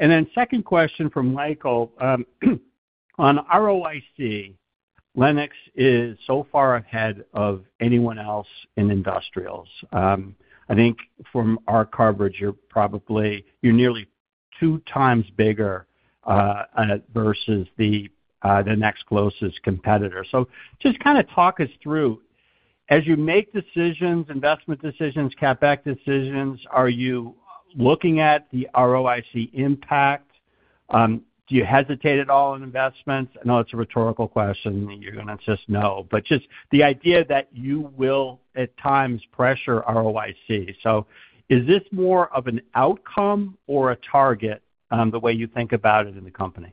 and then second question from Michael. On ROIC, Lennox is so far ahead of anyone else in industrials. I think from our coverage, you're probably—you're nearly two times bigger, versus the, the next closest competitor. So just kinda talk us through, as you make decisions, investment decisions, CapEx decisions, are you looking at the ROIC impact? Do you hesitate at all on investments? I know it's a rhetorical question, you're gonna just know, but just the idea that you will, at times, pressure ROIC. So is this more of an outcome or a target, the way you think about it in the company?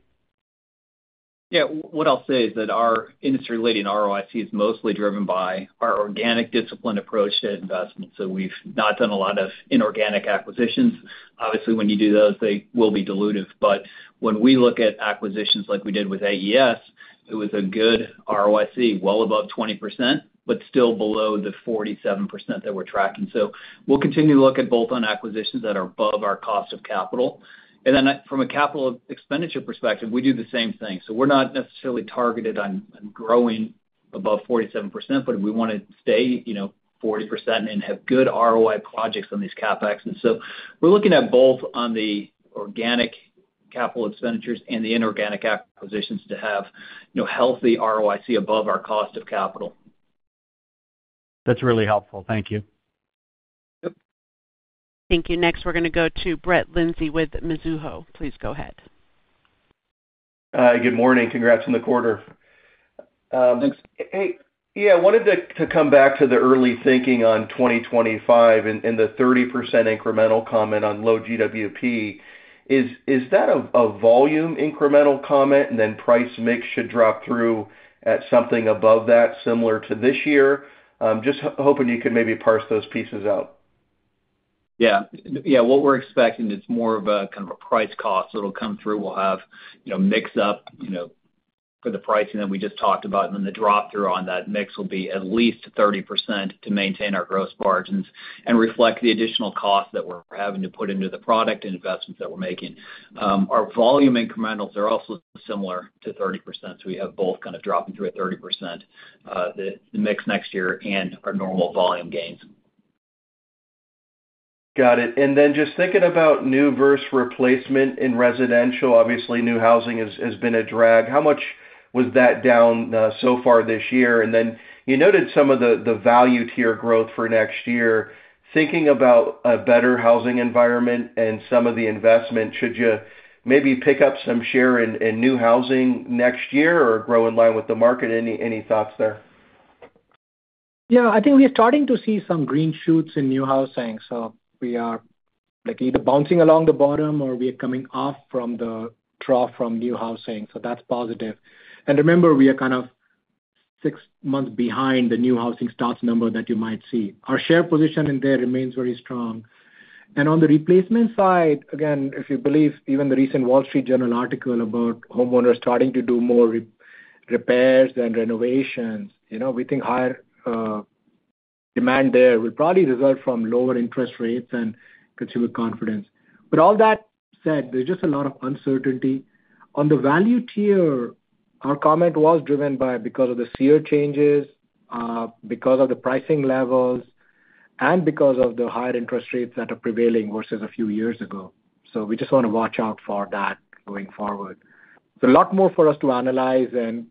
Yeah. What I'll say is that our industry-leading ROIC is mostly driven by our organic, disciplined approach to investments. So we've not done a lot of inorganic acquisitions. Obviously, when you do those, they will be dilutive. But when we look at acquisitions like we did with AES, it was a good ROIC, well above 20%, but still below the 47% that we're tracking. So we'll continue to look at both on acquisitions that are above our cost of capital. And then, from a capital expenditure perspective, we do the same thing. So we're not necessarily targeted on, on growing above 47%, but we wanna stay, you know, 40% and have good ROI projects on these CapEx. And so we're looking at both on the organic capital expenditures and the inorganic acquisitions to have, you know, healthy ROIC above our cost of capital. That's really helpful. Thank you. Yep. Thank you. Next, we're gonna go to Brett Linzey with Mizuho. Please go ahead. Good morning. Congrats on the quarter. Thanks. Hey, yeah, I wanted to come back to the early thinking on 2025 and the 30% incremental comment on low GWP. Is that a volume incremental comment, and then price mix should drop through at something above that, similar to this year? Just hoping you could maybe parse those pieces out. Yeah. Yeah, what we're expecting is more of a kind of a price cost. It'll come through, we'll have, you know, mix up, you know, for the pricing that we just talked about, and then the drop-through on that mix will be at least 30% to maintain our gross margins and reflect the additional cost that we're having to put into the product and investments that we're making. Our volume incrementals are also similar to 30%, so we have both kind of dropping through at 30%, the mix next year and our normal volume gains. Got it. And then just thinking about new versus replacement in residential, obviously, new housing has been a drag. How much was that down so far this year? And then you noted some of the value to your growth for next year. Thinking about a better housing environment and some of the investment, should you maybe pick up some share in new housing next year or grow in line with the market? Any thoughts there? Yeah, I think we are starting to see some green shoots in new housing, so we are, like, either bouncing along the bottom or we are coming off from the trough from new housing, so that's positive. Remember, we are kind of six months behind the new housing starts number that you might see. Our share position in there remains very strong. On the replacement side, again, if you believe even the recent Wall Street Journal article about homeowners starting to do more repairs than renovations, you know, we think higher demand there will probably result from lower interest rates and consumer confidence. But all that said, there's just a lot of uncertainty. On the value tier, our comment was driven by because of the SEER changes, because of the pricing levels and because of the higher interest rates that are prevailing versus a few years ago. So we just wanna watch out for that going forward. So a lot more for us to analyze and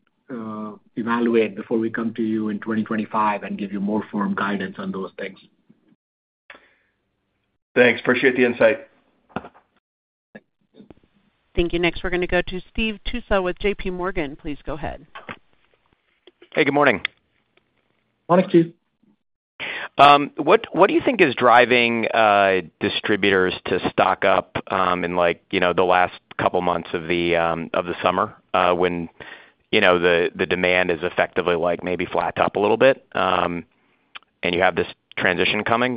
evaluate before we come to you in twenty twenty-five and give you more firm guidance on those things. Thanks. Appreciate the insight. Thank you. Next, we're gonna go to Steve Tusa with J.P. Morgan. Please go ahead. Hey, good morning. Morning, Steve. What do you think is driving distributors to stock up in like you know the last couple months of the summer when you know the demand is effectively like maybe flat up a little bit and you have this transition coming?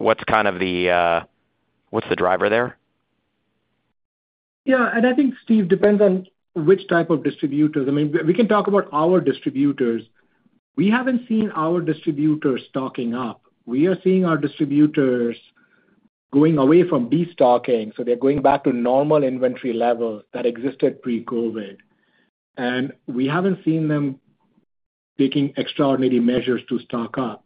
What’s kind of the driver there? Yeah, and I think, Steve, depends on which type of distributors. I mean, we can talk about our distributors. We haven't seen our distributors stocking up. We are seeing our distributors going away from destocking, so they're going back to normal inventory levels that existed pre-COVID. And we haven't seen them taking extraordinary measures to stock up.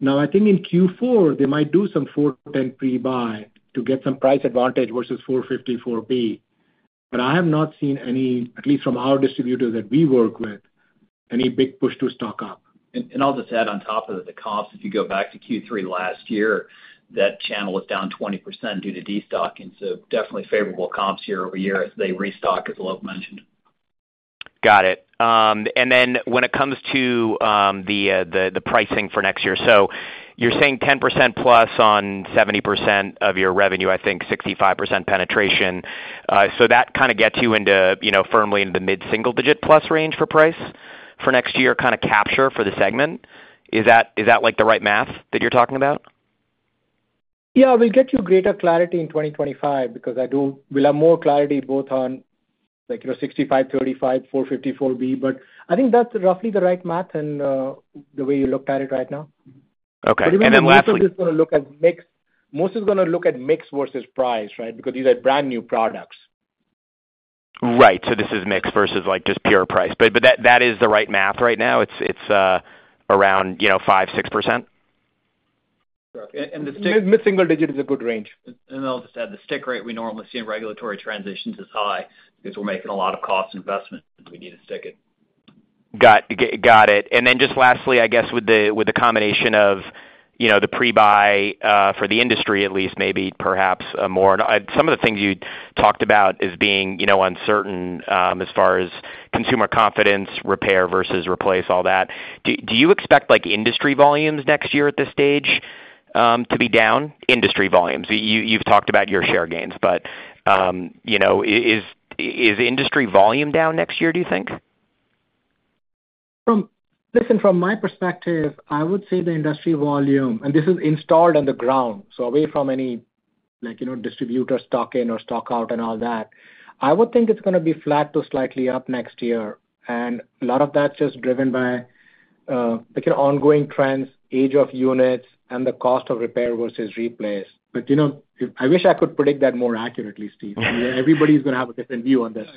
Now, I think in Q4, they might do some R-410A pre-buy to get some price advantage versus R-454B, but I have not seen any, at least from our distributors that we work with, any big push to stock up. And, I'll just add on top of it, the comps, if you go back to Q3 last year, that channel was down 20% due to destocking. So definitely favorable comps year over year as they restock, as Alok mentioned. Got it. And then when it comes to the pricing for next year. So you're saying 10% plus on 70% of your revenue, I think 65% penetration. So that kinda gets you into, you know, firmly in the mid-single digit plus range for price for next year, kinda capture for the segment? Is that, is that, like, the right math that you're talking about? Yeah, we'll get you greater clarity in 2025 because we'll have more clarity both on, like, you know, 65, 35, R-454B, but I think that's roughly the right math and the way you looked at it right now. Okay, and then lastly- Most of it's gonna look at mix. Most is gonna look at mix versus price, right? Because these are brand-new products. Right. So this is mix versus, like, just pure price. But that is the right math right now? It's around, you know, 5-6%. Yeah, and the- Mid-single digit is a good range. And I'll just add, the stick rate we normally see in regulatory transitions is high because we're making a lot of cost investments, and we need to stick it. Got it. And then just lastly, I guess with the combination of, you know, the pre-buy for the industry at least, maybe perhaps more. Some of the things you talked about as being, you know, uncertain, as far as consumer confidence, repair versus replace, all that. Do you expect, like, industry volumes next year at this stage to be down? Industry volumes. You've talked about your share gains, but, you know, is industry volume down next year, do you think? From my perspective, I would say the industry volume, and this is installed on the ground, so away from any, like, you know, distributor stock in or stock out and all that, I would think it's gonna be flat to slightly up next year. A lot of that's just driven by, like, an ongoing trends, age of units, and the cost of repair versus replace. But, you know, I wish I could predict that more accurately, Steve. Everybody's gonna have a different view on this.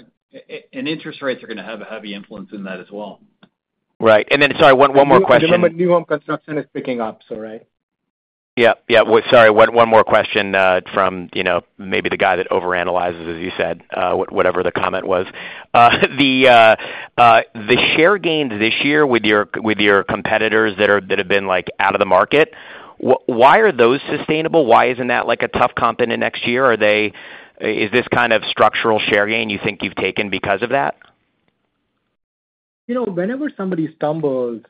And interest rates are gonna have a heavy influence in that as well. Right. And then, sorry, one more question. The moment new home construction is picking up, so, right. Yeah, yeah. Well, sorry, one more question from, you know, maybe the guy that overanalyzes, as you said, whatever the comment was. The share gains this year with your competitors that have been, like, out of the market, why are those sustainable? Why isn't that, like, a tough comp into next year? Are they... Is this kind of structural share gain you think you've taken because of that? You know, whenever somebody stumbles,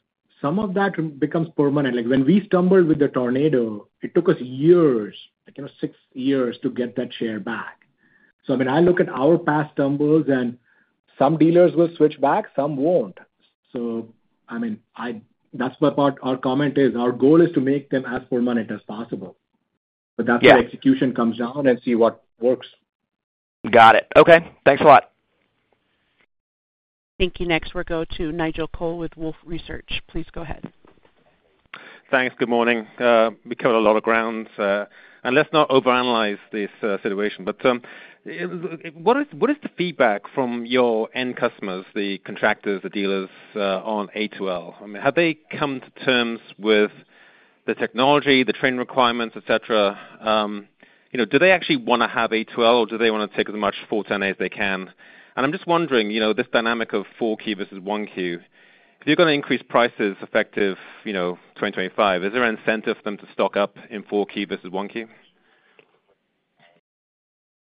some of that becomes permanent. Like, when we stumbled with the tornado, it took us years, like, you know, six years, to get that share back. So, I mean, I look at our past stumbles, and some dealers will switch back, some won't. So, I mean, that's what part our comment is. Our goal is to make them as permanent as possible. Yeah. But that's where execution comes down and see what works. Got it. Okay, thanks a lot. Thank you. Next, we'll go to Nigel Coe with Wolfe Research. Please go ahead. Thanks. Good morning. We covered a lot of ground, and let's not overanalyze this situation. But what is the feedback from your end customers, the contractors, the dealers on A2L? I mean, have they come to terms with the technology, the training requirements, et cetera? You know, do they actually wanna have A2L, or do they wanna take as much 410A as they can? And I'm just wondering, you know, this dynamic of 4Q versus one key, if you're gonna increase prices effective, you know, twenty twenty-five, is there an incentive for them to stock up in 4Q versus 1Q?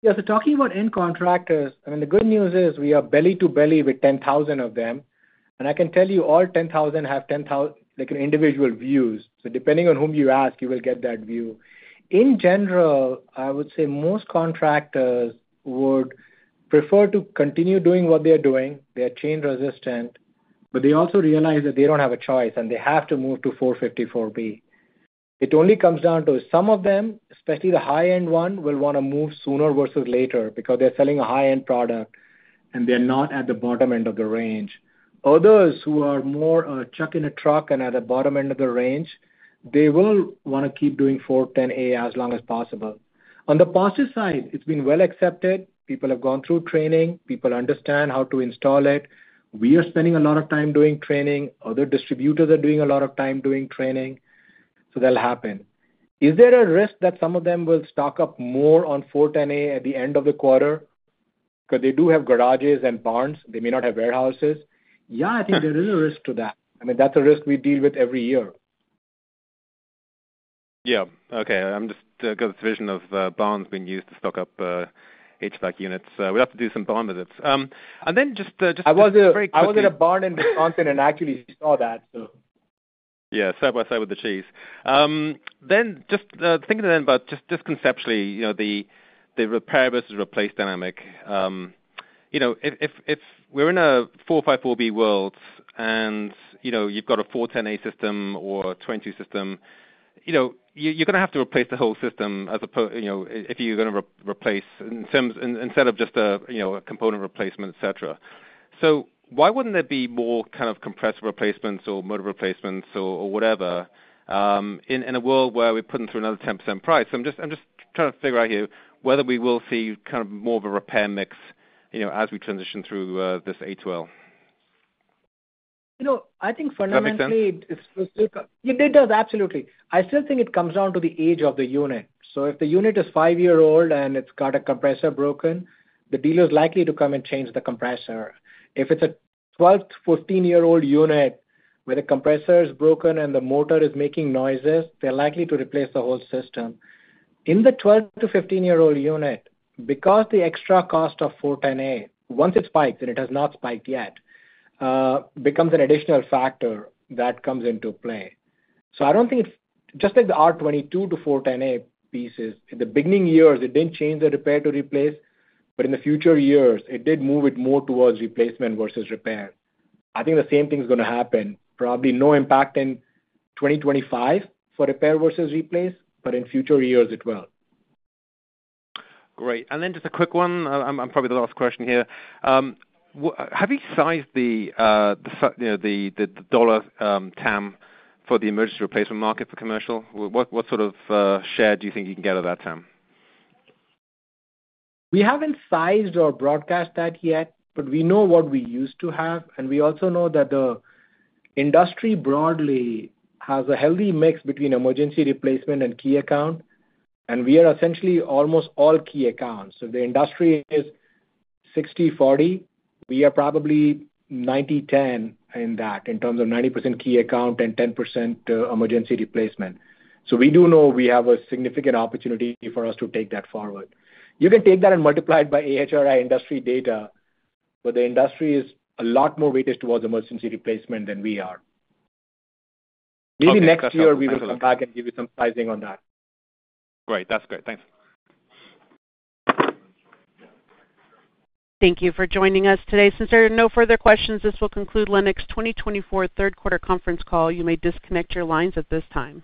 Yeah, so talking about end contractors, I mean, the good news is we are belly to belly with 10,000 of them, and I can tell you all 10,000 have, like, individual views. So depending on whom you ask, you will get that view. In general, I would say most contractors would prefer to continue doing what they are doing. They are change resistant, but they also realize that they don't have a choice, and they have to move to 454B. It only comes down to some of them, especially the high-end one, will wanna move sooner versus later because they're selling a high-end product, and they're not at the bottom end of the range. Others who are more, chuck in a truck and at the bottom end of the range, they will wanna keep doing 410A, as long as possible. On the positive side, it's been well accepted. People have gone through training. People understand how to install it. We are spending a lot of time doing training. Other distributors are doing a lot of time doing training, so that'll happen. Is there a risk that some of them will stock up more on R-410A at the end of the quarter? Because they do have garages and barns, they may not have warehouses. Yeah, I think there is a risk to that. I mean, that's a risk we deal with every year. Yeah. Okay. I just got this vision of barns being used to stock up HVAC units. So we have to do some barn visits. And then just just- I was in a barn in Wisconsin and actually saw that, so. Yeah, side by side with the cheese. Then just thinking about just conceptually, you know, the repair versus replace dynamic. You know, if we're in a 454B world and, you know, you've got a 410A system or a 22 system, you know, you're gonna have to replace the whole system as you know, if you're gonna replace in, instead of just a, you know, a component replacement, et cetera. So why wouldn't there be more kind of compressor replacements or motor replacements or whatever, in a world where we're putting through another 10% price? I'm just trying to figure out here whether we will see kind of more of a repair mix, you know, as we transition through this A2L. You know, I think fundamentally- Does that make sense? It does, absolutely. I still think it comes down to the age of the unit. So if the unit is five-year-old and it's got a compressor broken, the dealer is likely to come and change the compressor. If it's a 12- to 14-year-old unit where the compressor is broken and the motor is making noises, they're likely to replace the whole system. In the 12- to 15-year-old unit, because the extra cost of R-410A, once it spikes, and it has not spiked yet, becomes an additional factor that comes into play. So I don't think it's... Just like the R-22 to R-410A phase, in the beginning years, it didn't change the repair to replace, but in the future years, it did move it more towards replacement versus repair. I think the same thing is gonna happen. Probably no impact in 2025 for repair versus replace, but in future years it will. Great. And then just a quick one. I'm probably the last question here. Have you sized the, you know, the dollar TAM for the emergency replacement market for commercial? What sort of share do you think you can get at that time? We haven't sized or broadcast that yet, but we know what we used to have, and we also know that the industry broadly has a healthy mix between emergency replacement and key account, and we are essentially almost all key accounts. So the industry is 60/40, we are probably 90/10 in that, in terms of 90% key account and 10% emergency replacement. So we do know we have a significant opportunity for us to take that forward. You can take that and multiply it by AHRI industry data, but the industry is a lot more weighted towards emergency replacement than we are. Okay. Maybe next year, we will come back and give you some sizing on that. Great. That's great. Thanks. Thank you for joining us today. Since there are no further questions, this will conclude Lennox's 2024 third quarter conference call. You may disconnect your lines at this time.